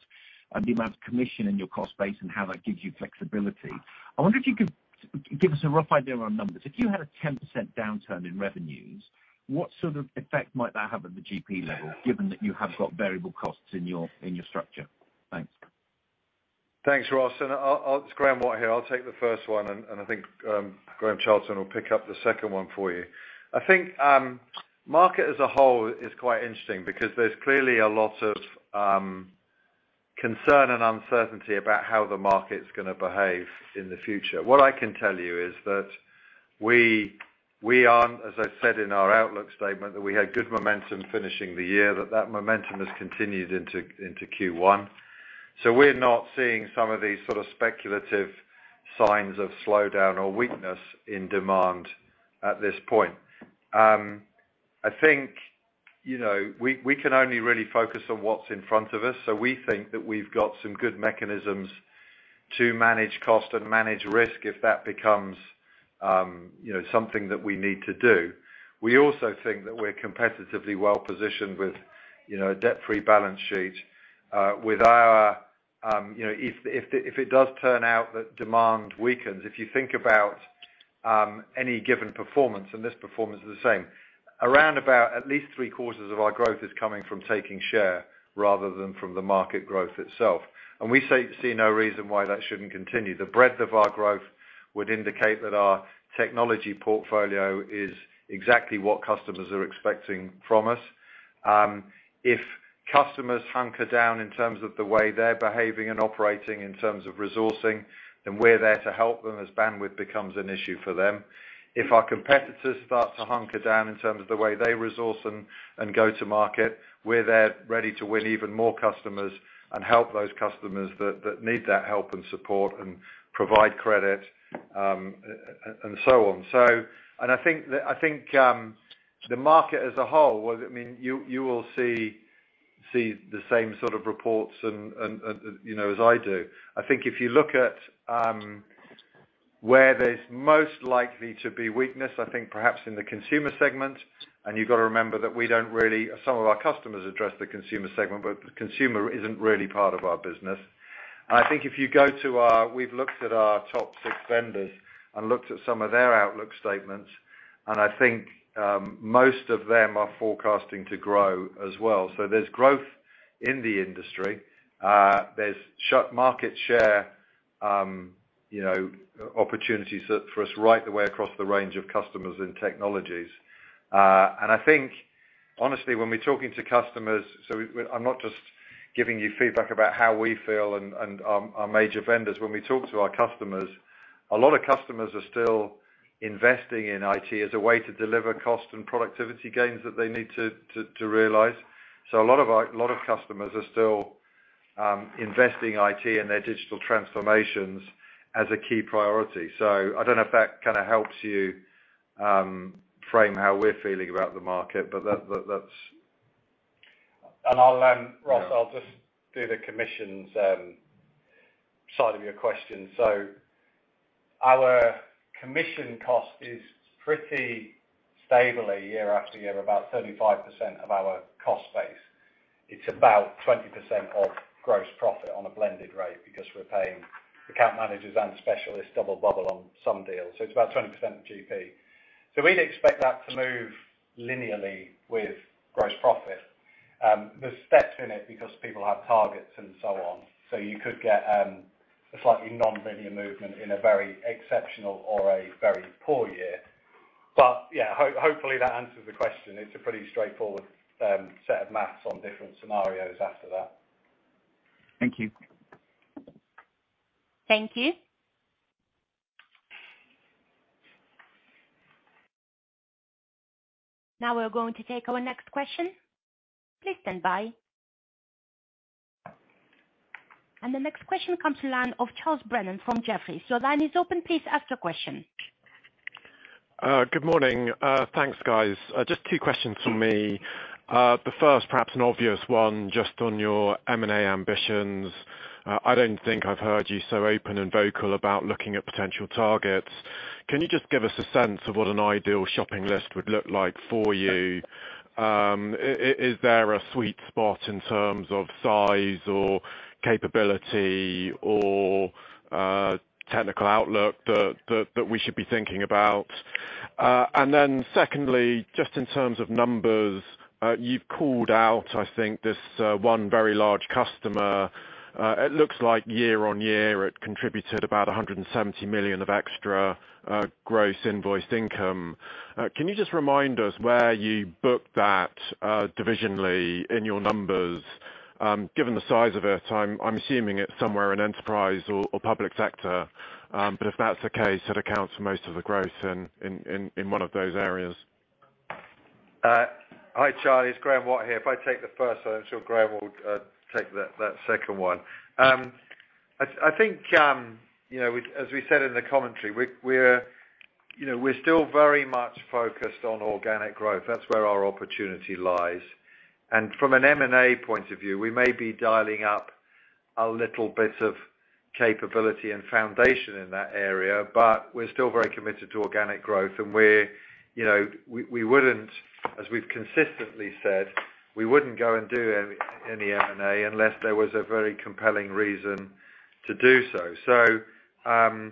the amount of commission in your cost base and how that gives you flexibility. I wonder if you could give us a rough idea around numbers. If you had a 10% downturn in revenues, what sort of effect might that have at the GP level, given that you have got variable costs in your structure? Thanks. Thanks, Ross. It's Graeme Watt here. I'll take the first one, and I think Graham Charlton will pick up the second one for you. I think market as a whole is quite interesting because there's clearly a lot of concern and uncertainty about how the market's gonna behave in the future. What I can tell you is that we aren't, as I said in our outlook statement, that we had good momentum finishing the year, that that momentum has continued into Q1. We're not seeing some of these sort of speculative signs of slowdown or weakness in demand at this point. I think, you know, we can only really focus on what's in front of us, so we think that we've got some good mechanisms to manage cost and manage risk if that becomes, you know, something that we need to do. We also think that we're competitively well positioned with, you know, a debt-free balance sheet, with our, you know, if it does turn out that demand weakens, if you think about any given performance, and this performance is the same, around about at least three-quarters of our growth is coming from taking share rather than from the market growth itself. We see no reason why that shouldn't continue. The breadth of our growth would indicate that our technology portfolio is exactly what customers are expecting from us. If customers hunker down in terms of the way they're behaving and operating in terms of resourcing, then we're there to help them as bandwidth becomes an issue for them. If our competitors start to hunker down in terms of the way they resource and go to market, we're there ready to win even more customers and help those customers that need that help and support and provide credit, and so on. I think the market as a whole, well, I mean, you will see the same sort of reports and you know, as I do. I think if you look at where there's most likely to be weakness, I think perhaps in the consumer segment, and you've got to remember that some of our customers address the consumer segment, but the consumer isn't really part of our business. I think we've looked at our top six vendors and looked at some of their outlook statements, and I think most of them are forecasting to grow as well. There's growth in the industry. There's sharp market share, you know, opportunities for us right the way across the range of customers and technologies. I think, honestly, when we're talking to customers, I'm not just giving you feedback about how we feel and our major vendors. When we talk to our customers, a lot of customers are still investing in IT as a way to deliver cost and productivity gains that they need to realize. A lot of customers are still investing in IT in their digital transformations as a key priority. I don't know if that kind of helps you frame how we're feeling about the market, but that's. Ross, I'll just do the commissions side of your question. Our commission cost is pretty stable year after year, about 35% of our cost base. It's about 20% of gross profit on a blended rate because we're paying account managers and specialists double bubble on some deals. It's about 20% GP. We'd expect that to move linearly with gross profit. There's steps in it because people have targets and so on. You could get a slightly non-linear movement in a very exceptional or a very poor year. Yeah, hopefully that answers the question. It's a pretty straightforward set of math on different scenarios after that. Thank you. Thank you. Now we're going to take our next question. Please stand by. The next question comes from the line of Charles Brennan from Jefferies. Your line is open. Please ask your question. Good morning. Thanks, guys. Just two questions from me. The first, perhaps an obvious one, just on your M&A ambitions. I don't think I've heard you so open and vocal about looking at potential targets. Can you just give us a sense of what an ideal shopping list would look like for you? Is there a sweet spot in terms of size or capability or technical outlook that we should be thinking about? And then secondly, just in terms of numbers, you've called out, I think, this one very large customer. It looks like year-over-year, it contributed about 170 million of extra gross invoiced income. Can you just remind us where you book that divisionally in your numbers? Given the size of it, I'm assuming it's somewhere in enterprise or public sector. If that's the case, it accounts for most of the growth in one of those areas. Hi, Charlie. It's Graeme Watt here. If I take the first one, I'm sure Graham will take that second one. I think, you know, as we said in the commentary, we're, you know, we're still very much focused on organic growth. That's where our opportunity lies. From an M&A point of view, we may be dialing up a little bit of capability and foundation in that area, but we're still very committed to organic growth. We're, you know, we wouldn't, as we've consistently said, go and do any M&A unless there was a very compelling reason to do so.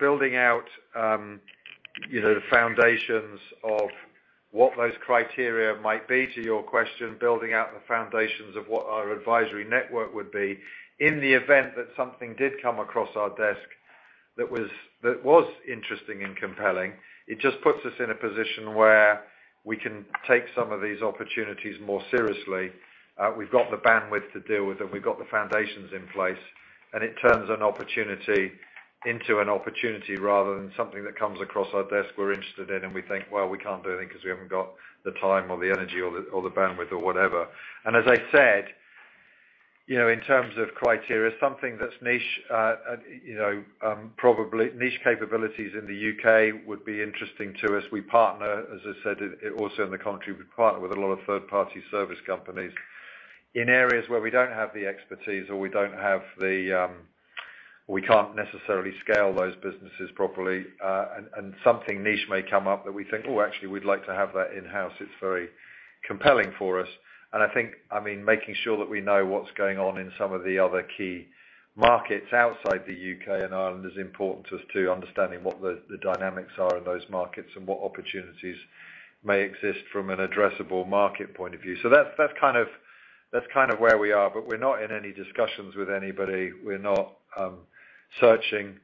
Building out the foundations of what those criteria might be to your question, building out the foundations of what our advisory network would be in the event that something did come across our desk that was interesting and compelling, it just puts us in a position where we can take some of these opportunities more seriously. We've got the bandwidth to deal with them, we've got the foundations in place, and it turns an opportunity into an opportunity rather than something that comes across our desk we're interested in, and we think, well, we can't do anything because we haven't got the time or the energy or the bandwidth or whatever. As I said, you know, in terms of criteria, something that's niche, you know, probably niche capabilities in the U.K. would be interesting to us. We partner, as I said, also in the country, we partner with a lot of third-party service companies. In areas where we don't have the expertise or we don't have the. We can't necessarily scale those businesses properly, and something niche may come up that we think, oh, actually, we'd like to have that in-house. It's very compelling for us. I think, I mean, making sure that we know what's going on in some of the other key markets outside the U.K. and Ireland is important to us to understanding what the dynamics are in those markets and what opportunities may exist from an addressable market point of view. That's kind of where we are, but we're not in any discussions with anybody. We're not searching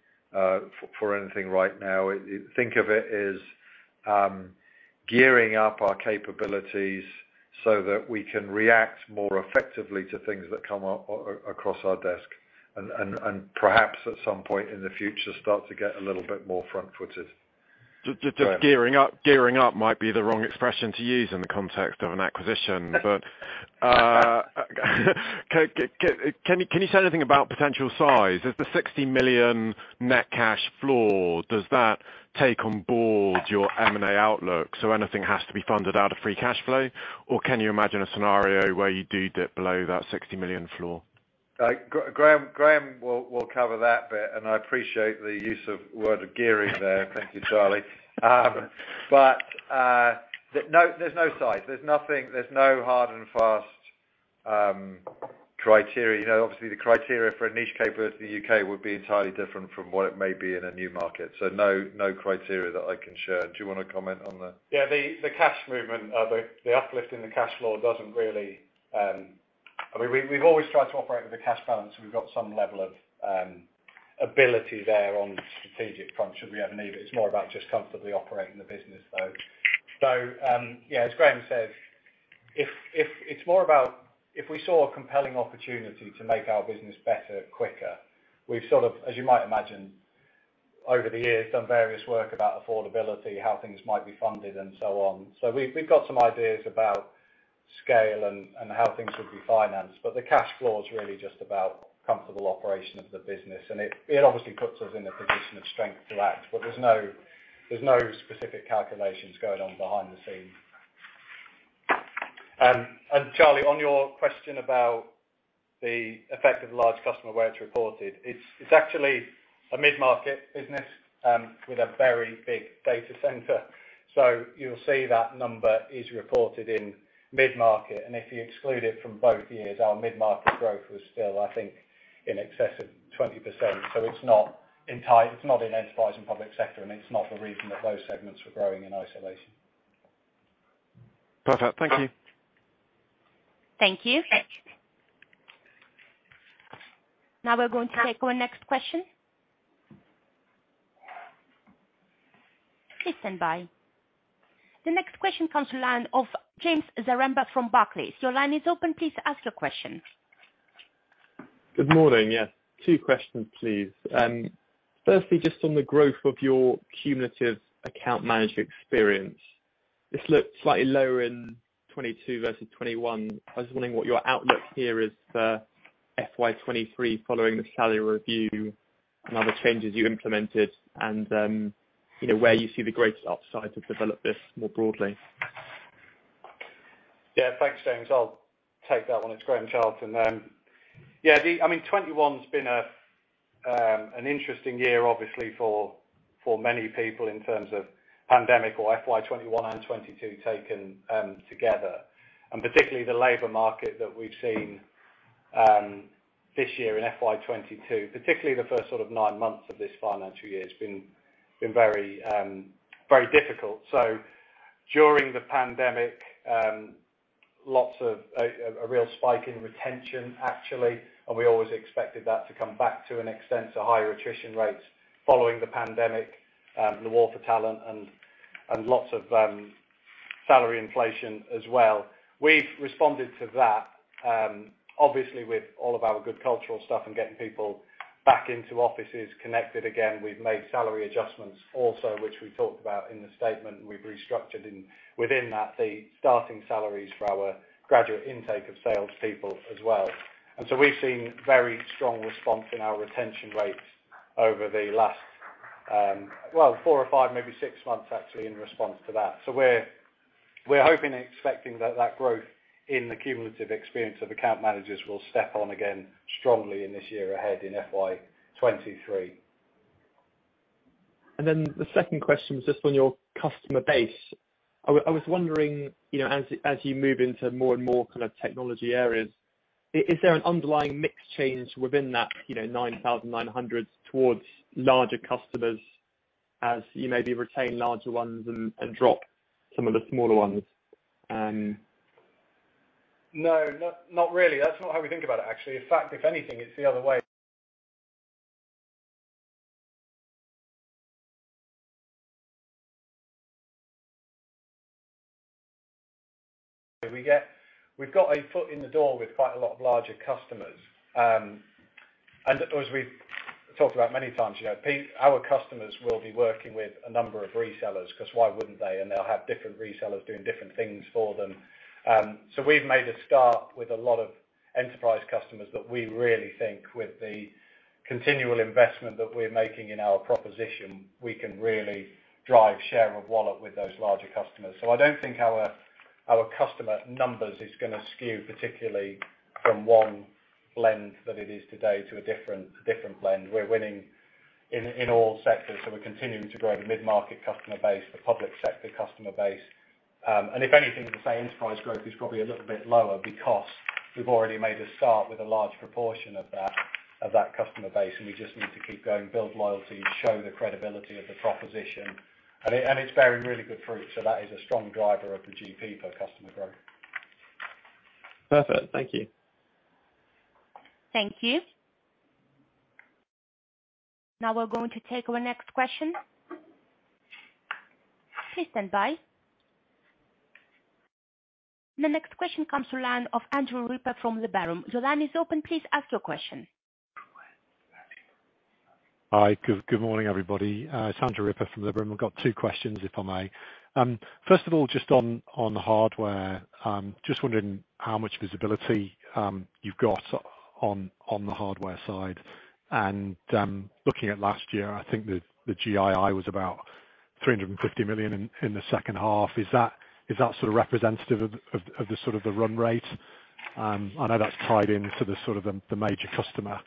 for anything right now. Think of it as gearing up our capabilities so that we can react more effectively to things that come up across our desk and perhaps at some point in the future, start to get a little bit more front-footed. Just gearing up might be the wrong expression to use in the context of an acquisition. Can you say anything about potential size? Is the 60 million net cash floor, does that take on board your M&A outlook, so anything has to be funded out of free cash flow? Or can you imagine a scenario where you do dip below that 60 million floor? Graham will cover that bit, and I appreciate the use of word gearing there. Thank you, Charlie. No, there's no size. There's nothing. There's no hard and fast criteria. You know, obviously the criteria for a niche player versus the U.K. would be entirely different from what it may be in a new market. No criteria that I can share. Do you wanna comment on that? Yeah. The cash movement, the uplift in the cash flow doesn't really. I mean, we've always tried to operate with a cash balance, so we've got some level of ability there on the strategic front should we ever need it. It's more about just comfortably operating the business, though. As Graeme said, it's more about if we saw a compelling opportunity to make our business better quicker. We've sort of, as you might imagine, over the years, done various work about affordability, how things might be funded and so on. We've got some ideas about scale and how things would be financed. The cash flow is really just about comfortable operation of the business, and it obviously puts us in a position of strength to act. There's no specific calculations going on behind the scenes. Charles, on your question about the effect of large customer where it's reported, it's actually a mid-market business with a very big data center. You'll see that number is reported in mid-market, and if you exclude it from both years, our mid-market growth was still, I think, in excess of 20%. It's not in enterprise and public sector, and it's not the reason that those segments are growing in isolation. Perfect. Thank you. Thank you. Now we're going to take our next question. Please stand by. The next question comes from the line of James Zaremba from Barclays. Your line is open. Please ask your question. Good morning. Yes, two questions, please. Firstly, just on the growth of your cumulative account management experience, this looked slightly lower in 2022 versus 2021. I was wondering what your outlook here is for FY 2023, following the salary review and other changes you implemented and, you know, where you see the greatest upside to develop this more broadly. Yeah. Thanks, James. I'll take that one. It's Graham Charlton. Yeah, I mean, 2021's been an interesting year, obviously, for many people in terms of pandemic or FY 2021 and 2022 taken together, and particularly the labor market that we've seen this year in FY 2022, particularly the first sort of nine months of this financial year. It's been very difficult. During the pandemic, lots of a real spike in retention, actually, and we always expected that to come back to an extent, to higher attrition rates following the pandemic, the war for talent and lots of salary inflation as well. We've responded to that, obviously with all of our good cultural stuff and getting people back into offices connected again. We've made salary adjustments also, which we talked about in the statement, and we've restructured within that the starting salaries for our graduate intake of salespeople as well. We've seen very strong response in our retention rates over the last four or five, maybe six months actually in response to that. We're hoping and expecting that growth in the cumulative experience of account managers will step on again strongly in this year ahead in FY 2023. The second question was just on your customer base. I was wondering, you know, as you move into more and more kind of technology areas, is there an underlying mix change within that, you know, 9,900 towards larger customers as you maybe retain larger ones and drop some of the smaller ones? No, not really. That's not how we think about it, actually. In fact, if anything, it's the other way. We've got a foot in the door with quite a lot of larger customers. As we've talked about many times, you know, our customers will be working with a number of resellers, 'cause why wouldn't they? They'll have different resellers doing different things for them. We've made a start with a lot of enterprise customers that we really think with the continual investment that we're making in our proposition, we can really drive share of wallet with those larger customers. I don't think our customer numbers is gonna skew particularly from one blend that it is today to a different blend. We're winning in all sectors, so we're continuing to grow the mid-market customer base, the public sector customer base. If anything, as I say, enterprise growth is probably a little bit lower because we've already made a start with a large proportion of that customer base, and we just need to keep going, build loyalty, show the credibility of the proposition. It's bearing really good fruit, so that is a strong driver of the GP per customer growth. Perfect. Thank you. Thank you. Now we're going to take our next question. Please stand by. The next question comes to line of Andrew Ripper from Liberum. Your line is open. Please ask your question. Hi. Good morning, everybody. It's Andrew Ripper from Liberum. I've got two questions, if I may. First of all, just on the hardware, just wondering how much visibility you've got on the hardware side. Looking at last year, I think the GII was about 350 million in the second half. Is that sort of representative of the sort of run rate? I know that's tied into the sort of the major customer.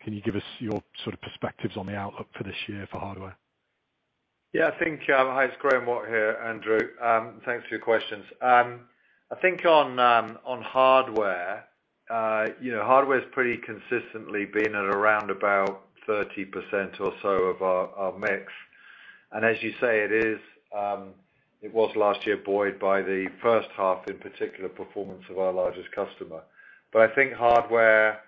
Can you give us your sort of perspectives on the outlook for this year for hardware? Yeah, I think, hi, it's Graeme Watt here, Andrew. Thanks for your questions. I think on hardware, you know, hardware's pretty consistently been at around about 30% or so of our mix. As you say, it was last year buoyed by the first half, in particular, performance of our largest customer. I think hardware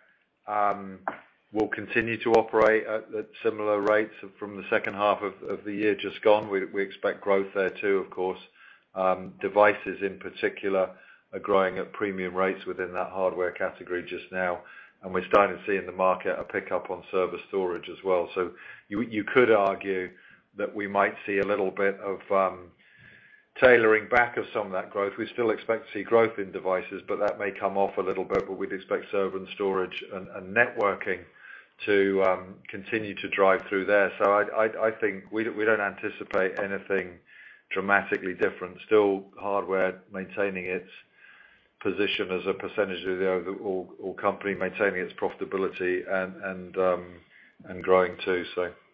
will continue to operate at similar rates from the second half of the year just gone. We expect growth there too, of course. Devices in particular are growing at premium rates within that hardware category just now, and we're starting to see in the market a pickup on server storage as well. You could argue that we might see a little bit of tailoring back of some of that growth. We still expect to see growth in devices, but that may come off a little bit, but we'd expect server and storage and networking to continue to drive through there. I think we don't anticipate anything dramatically different. Still hardware maintaining its position as a percentage of the overall company, maintaining its profitability and growing too.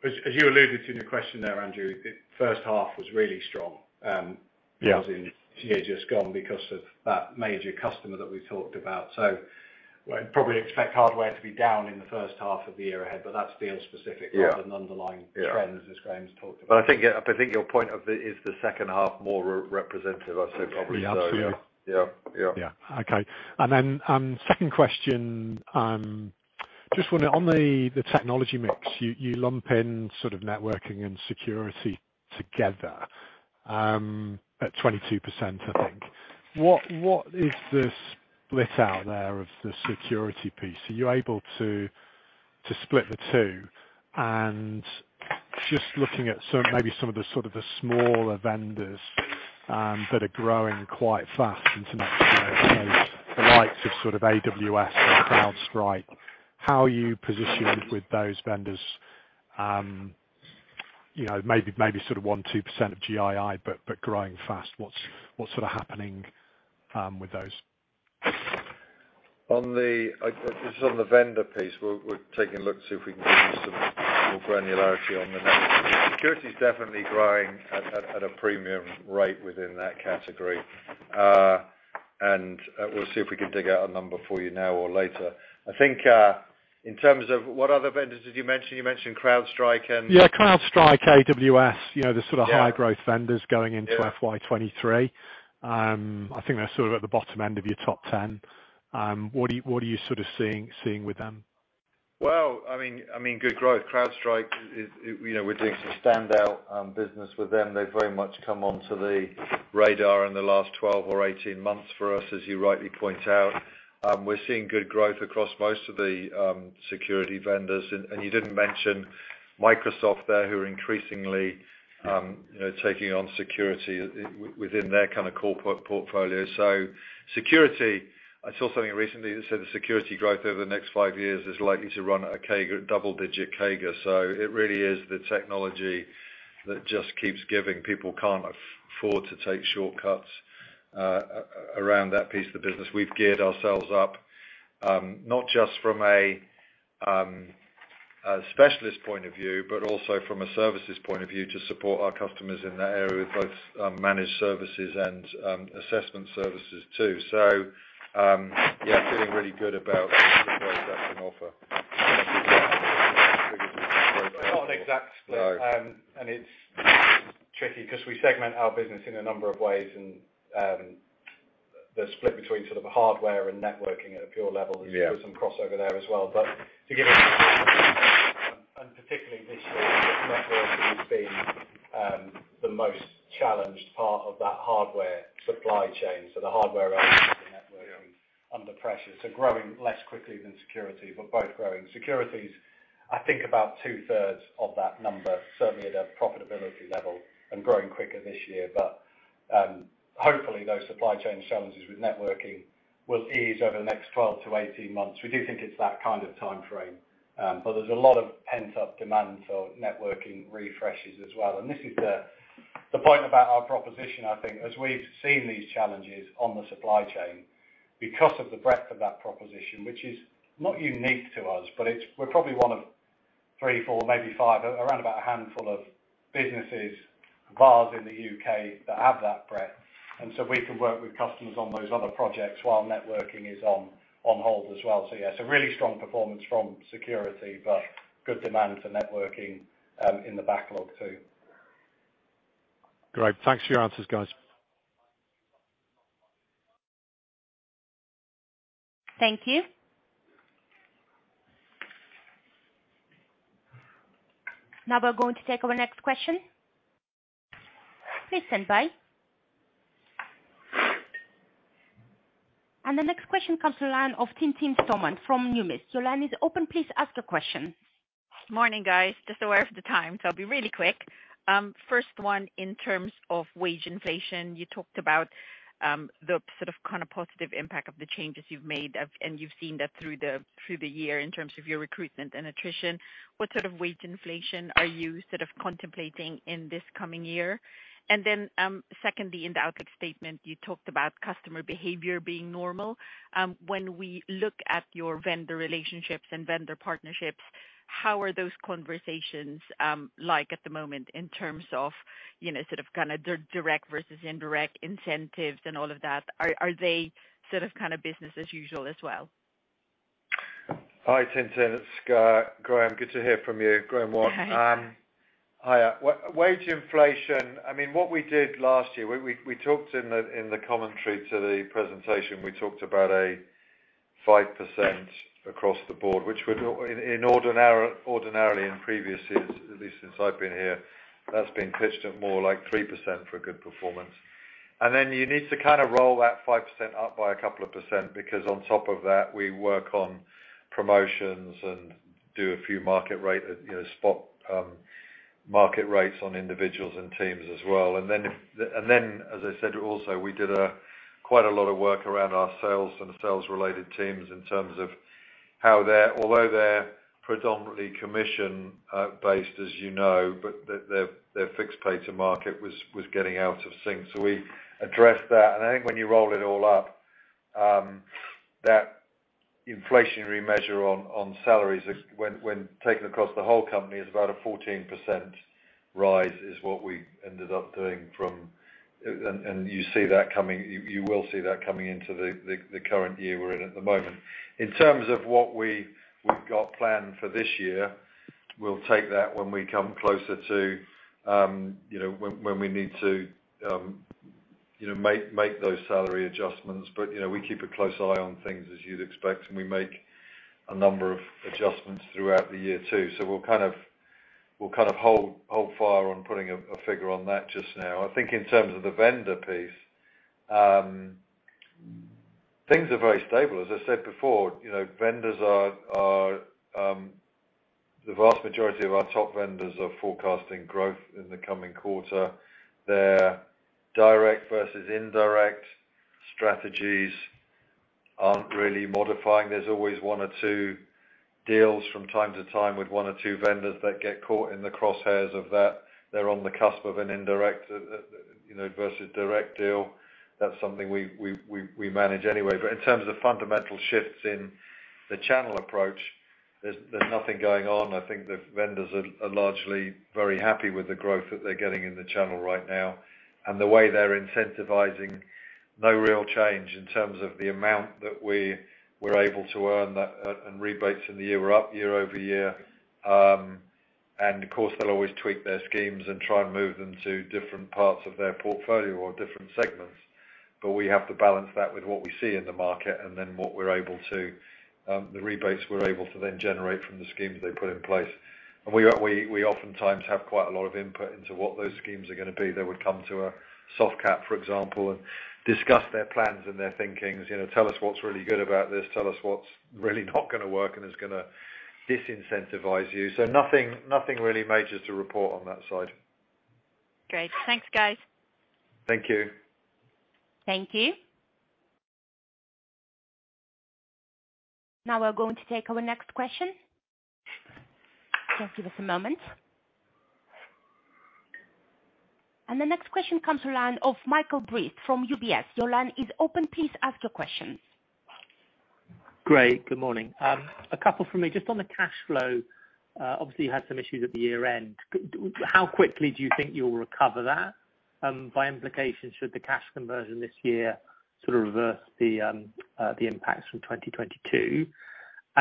As you alluded to in your question there, Andrew, the first half was really strong. Yeah Obviously in the year just gone because of that major customer that we talked about. We'll probably expect hardware to be down in the first half of the year ahead, but that's deal specific. Yeah Rather than underlying trends. Yeah as Graham's talked about. I think your point is the second half more representative? I'd say probably so. Yeah, absolutely. Yeah. Yeah. Yeah. Okay. Second question, just wonder on the technology mix, you lump in sort of networking and security together at 22%, I think. What is the split out there of the security piece? Are you able to split the two? Just looking at some maybe some of the sort of smaller vendors that are growing quite fast in this case, the likes of sort of AWS and CrowdStrike, how are you positioned with those vendors? You know, maybe sort of 1%-2% of GII, but growing fast. What's sort of happening with those? On the vendor piece, I guess we're taking a look to see if we can give you some more granularity on the numbers. Security is definitely growing at a premium rate within that category. We'll see if we can dig out a number for you now or later. I think in terms of what other vendors did you mention? You mentioned CrowdStrike and Yeah, CrowdStrike, AWS, you know, the sort of Yeah... high-growth vendors going into FY 2023. I think they're sort of at the bottom end of your top ten. What are you sort of seeing with them? Well, I mean, good growth. CrowdStrike is, you know, we're doing some standout business with them. They've very much come onto the radar in the last 12 or 18 months for us, as you rightly point out. We're seeing good growth across most of the security vendors. You didn't mention Microsoft there, who are increasingly, you know, taking on security within their kind of corporate portfolio. Security, I saw something recently that said the security growth over the next five years is likely to run at a CAGR, double-digit CAGR. It really is the technology that just keeps giving. People can't afford to take shortcuts around that piece of the business. We've geared ourselves up, not just from a specialist point of view, but also from a services point of view to support our customers in that area with both, managed services and, assessment services too. Yeah, feeling really good about the growth that can offer. Not an exact split. No. It's tricky because we segment our business in a number of ways and the split between sort of hardware and networking at a pure level. Yeah There's still some crossover there as well. To give you and particularly this year, networking's been the most challenged part of that hardware supply chain. The hardware element of the networking- Yeah Under pressure, so growing less quickly than security, but both growing. Security's I think about two thirds of that number, certainly at a profitability level and growing quicker this year. Hopefully those supply chain challenges with networking will ease over the next 12-18 months. We do think it's that kind of timeframe, but there's a lot of pent-up demand for networking refreshes as well. This is the point about our proposition, I think, as we've seen these challenges on the supply chain because of the breadth of that proposition, which is not unique to us, but it's, we're probably one of three, four, maybe five, around about a handful of businesses, VARs in the U.K. that have that breadth. We can work with customers on those other projects while networking is on hold as well. Yeah, so really strong performance from security, but good demand for networking in the backlog too. Great. Thanks for your answers, guys. Thank you. Now we're going to take our next question. Please stand by. The next question comes from the line of Tintin Stormont from Numis. Your line is open. Please ask your question. Morning, guys. Just aware of the time, so I'll be really quick. First one, in terms of wage inflation, you talked about the sort of, kind of positive impact of the changes you've made and you've seen that through the year in terms of your recruitment and attrition. What sort of wage inflation are you sort of contemplating in this coming year? Secondly, in the outlook statement, you talked about customer behavior being normal. When we look at your vendor relationships and vendor partnerships, how are those conversations like at the moment in terms of, you know, sort of, kind of direct versus indirect incentives and all of that? Are they sort of, kind of business as usual as well? Hi, Tintin. It's Graeme. Good to hear from you. Graeme Watt. Hi. Hi. Wage inflation, I mean, what we did last year, we talked in the commentary to the presentation about a 5% across the board, which would ordinarily in previous years, at least since I've been here, that's been pitched at more like 3% for a good performance. Then you need to kind of roll that 5% up by a couple of percent because on top of that, we work on promotions and do a few market rate, you know, spot market rates on individuals and teams as well. As I said, also we did quite a lot of work around our sales and the sales related teams in terms of although they're predominantly commission based, as you know, but their fixed pay to market was getting out of sync. We addressed that. I think when you roll it all up, that inflationary measure on salaries, when taken across the whole company is about a 14% rise is what we ended up doing from. You see that coming, you will see that coming into the current year we're in at the moment. In terms of what we've got planned for this year, we'll take that when we come closer to when we need to make those salary adjustments. You know, we keep a close eye on things as you'd expect, and we make a number of adjustments throughout the year too. We'll kind of hold fire on putting a figure on that just now. I think in terms of the vendor piece, things are very stable. As I said before, you know, the vast majority of our top vendors are forecasting growth in the coming quarter. Their direct versus indirect strategies aren't really modifying. There's always one or two deals from time to time with one or two vendors that get caught in the crosshairs of that. They're on the cusp of an indirect versus direct deal. That's something we manage anyway. In terms of fundamental shifts in the channel approach, there's nothing going on. I think the vendors are largely very happy with the growth that they're getting in the channel right now. The way they're incentivizing, no real change in terms of the amount that we were able to earn that, and rebates in the year were up year over year. Of course, they'll always tweak their schemes and try and move them to different parts of their portfolio or different segments. We have to balance that with what we see in the market and then what we're able to, the rebates we're able to then generate from the schemes they put in place. We oftentimes have quite a lot of input into what those schemes are gonna be. They would come to Softcat, for example, and discuss their plans and their thinking. You know, tell us what's really good about this. Tell us what's really not gonna work and is gonna disincentivize you. Nothing really major to report on that side. Great. Thanks, guys. Thank you. Thank you. Now we're going to take our next question. Just give us a moment. The next question comes to the line of Michael Briest from UBS. Your line is open. Please ask your question. Great. Good morning. A couple from me. Just on the cash flow, obviously you had some issues at the year-end. How quickly do you think you'll recover that? By implication, should the cash conversion this year sort of reverse the impacts from 2022?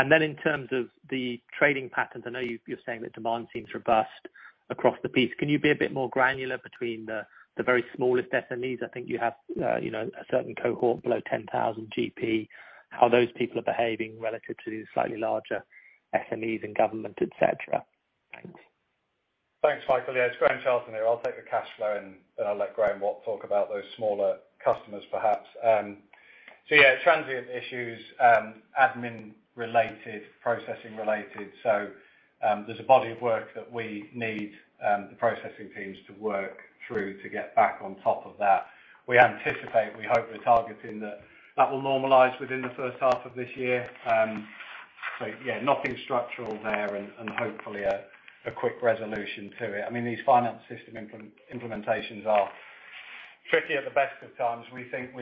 Then in terms of the trading patterns, I know you're saying that demand seems robust across the piece. Can you be a bit more granular between the very smallest SMEs? I think you have a certain cohort below 10,000 GP, how those people are behaving relative to slightly larger SMEs and government, et cetera. Thanks. Thanks, Michael. Yeah, it's Graham Charlton here. I'll take the cash flow, and then I'll let Graeme Watt talk about those smaller customers, perhaps. Yeah, transient issues, admin related, processing related. There's a body of work that we need the processing teams to work through to get back on top of that. We anticipate, we hope we're targeting that will normalize within the first half of this year. Yeah, nothing structural there and hopefully a quick resolution to it. I mean, these finance system implementations are tricky at the best of times. We think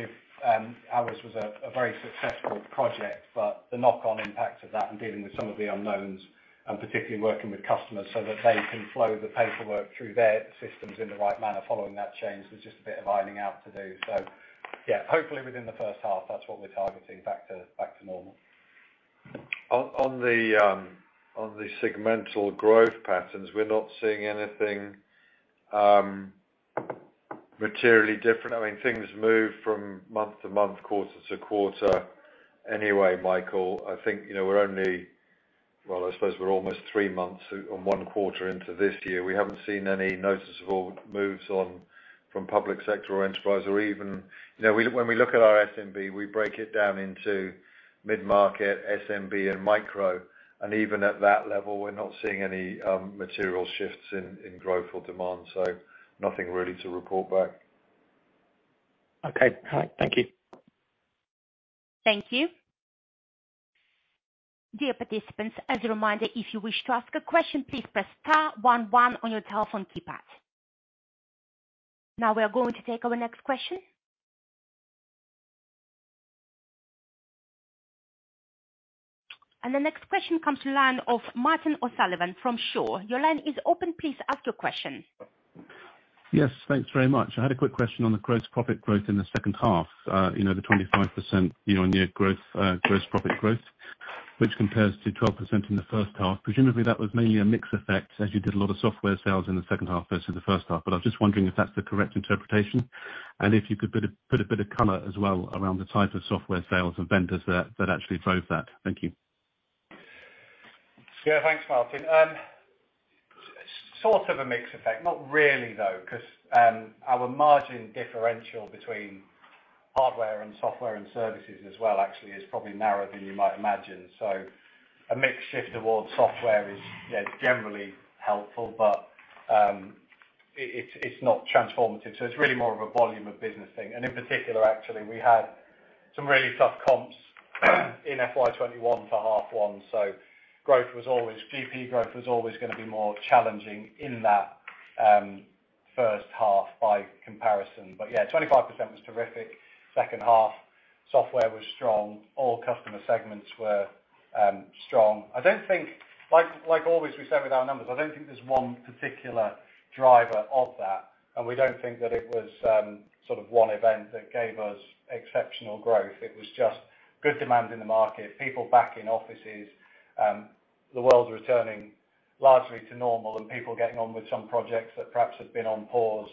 ours was a very successful project, but the knock-on impact of that and dealing with some of the unknowns, and particularly working with customers so that they can flow the paperwork through their systems in the right manner following that change, there's just a bit of ironing out to do. Yeah, hopefully within the first half, that's what we're targeting back to normal. On the segmental growth patterns, we're not seeing anything materially different. I mean, things move from month to month, quarter to quarter anyway, Michael. I think, you know, we're only, well, I suppose we're almost three months on one quarter into this year. We haven't seen any noticeable moves on from public sector or enterprise or even, you know, when we look at our SMB, we break it down into Midmarket, SMB, and micro. Even at that level, we're not seeing any material shifts in growth or demand. Nothing really to report back. Okay. All right. Thank you. Thank you. Dear participants, as a reminder, if you wish to ask a question, please press star one one on your telephone keypad. Now we are going to take our next question. The next question comes from the line of Martin O'Sullivan from Shore Capital. Your line is open. Please ask your question. Yes, thanks very much. I had a quick question on the gross profit growth in the second half. You know, the 25% year-on-year growth, gross profit growth, which compares to 12% in the first half. Presumably, that was mainly a mix effect, as you did a lot of software sales in the second half versus the first half, but I'm just wondering if that's the correct interpretation. If you could put a bit of color as well around the type of software sales and vendors that actually drove that. Thank you. Yeah, thanks, Martin. Sort of a mix effect, not really though, 'cause our margin differential between hardware and software and services as well actually is probably narrower than you might imagine. A mix shift towards software is, yeah, generally helpful, but it's not transformative, so it's really more of a volume of business thing. In particular, actually, we had some really tough comps in FY 2021 for half one, so GP growth was always gonna be more challenging in that first half by comparison. Yeah, 25% was terrific. Second half software was strong. All customer segments were strong. Like always we said with our numbers, I don't think there's one particular driver of that, and we don't think that it was sort of one event that gave us exceptional growth. It was just good demand in the market, people back in offices, the world's returning largely to normal and people getting on with some projects that perhaps had been on pause,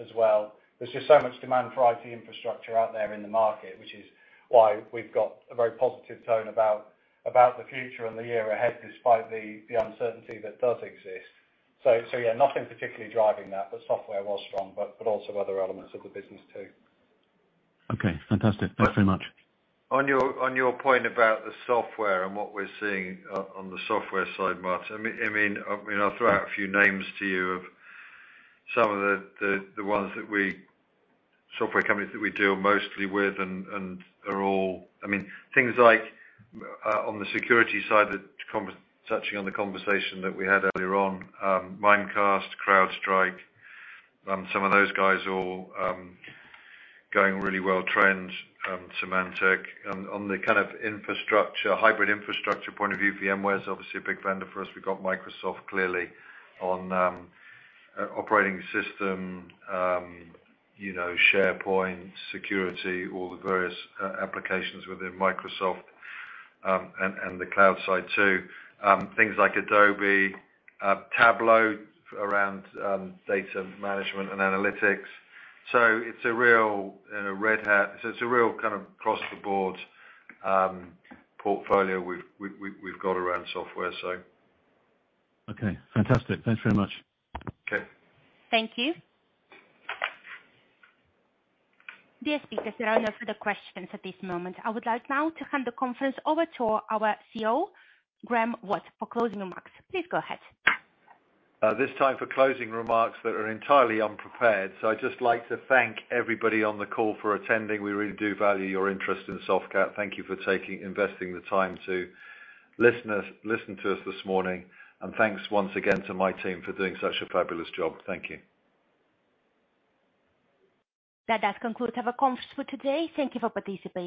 as well. There's just so much demand for IT infrastructure out there in the market, which is why we've got a very positive tone about the future and the year ahead, despite the uncertainty that does exist. Yeah, nothing particularly driving that, but software was strong, but also other elements of the business too. Okay, fantastic. Thanks so much. On your point about the software and what we're seeing on the software side, Martin, I mean, I'll throw out a few names to you of some of the software companies that we deal mostly with and are all going really well, things like on the security side touching on the conversation that we had earlier on, Mimecast, CrowdStrike, some of those guys all going really well, Trend, Symantec. On the kind of infrastructure, hybrid infrastructure point of view, VMware's obviously a big vendor for us. We've got Microsoft clearly on operating system, you know, SharePoint, security, all the various applications within Microsoft, and the cloud side too. Things like Adobe, Tableau around data management and analytics. It's a real. Red Hat. It's a real kind of across-the-board portfolio we've got around software. Okay, fantastic. Thanks very much. Okay. Thank you. Dear speakers, there are no further questions at this moment. I would like now to hand the conference over to our CEO, Graeme Watt, for closing remarks. Please go ahead. This time for closing remarks that are entirely unprepared. I'd just like to thank everybody on the call for attending. We really do value your interest in Softcat. Thank you for investing the time to listen to us this morning. Thanks once again to my team for doing such a fabulous job. Thank you. That does conclude our conference for today. Thank you for participating.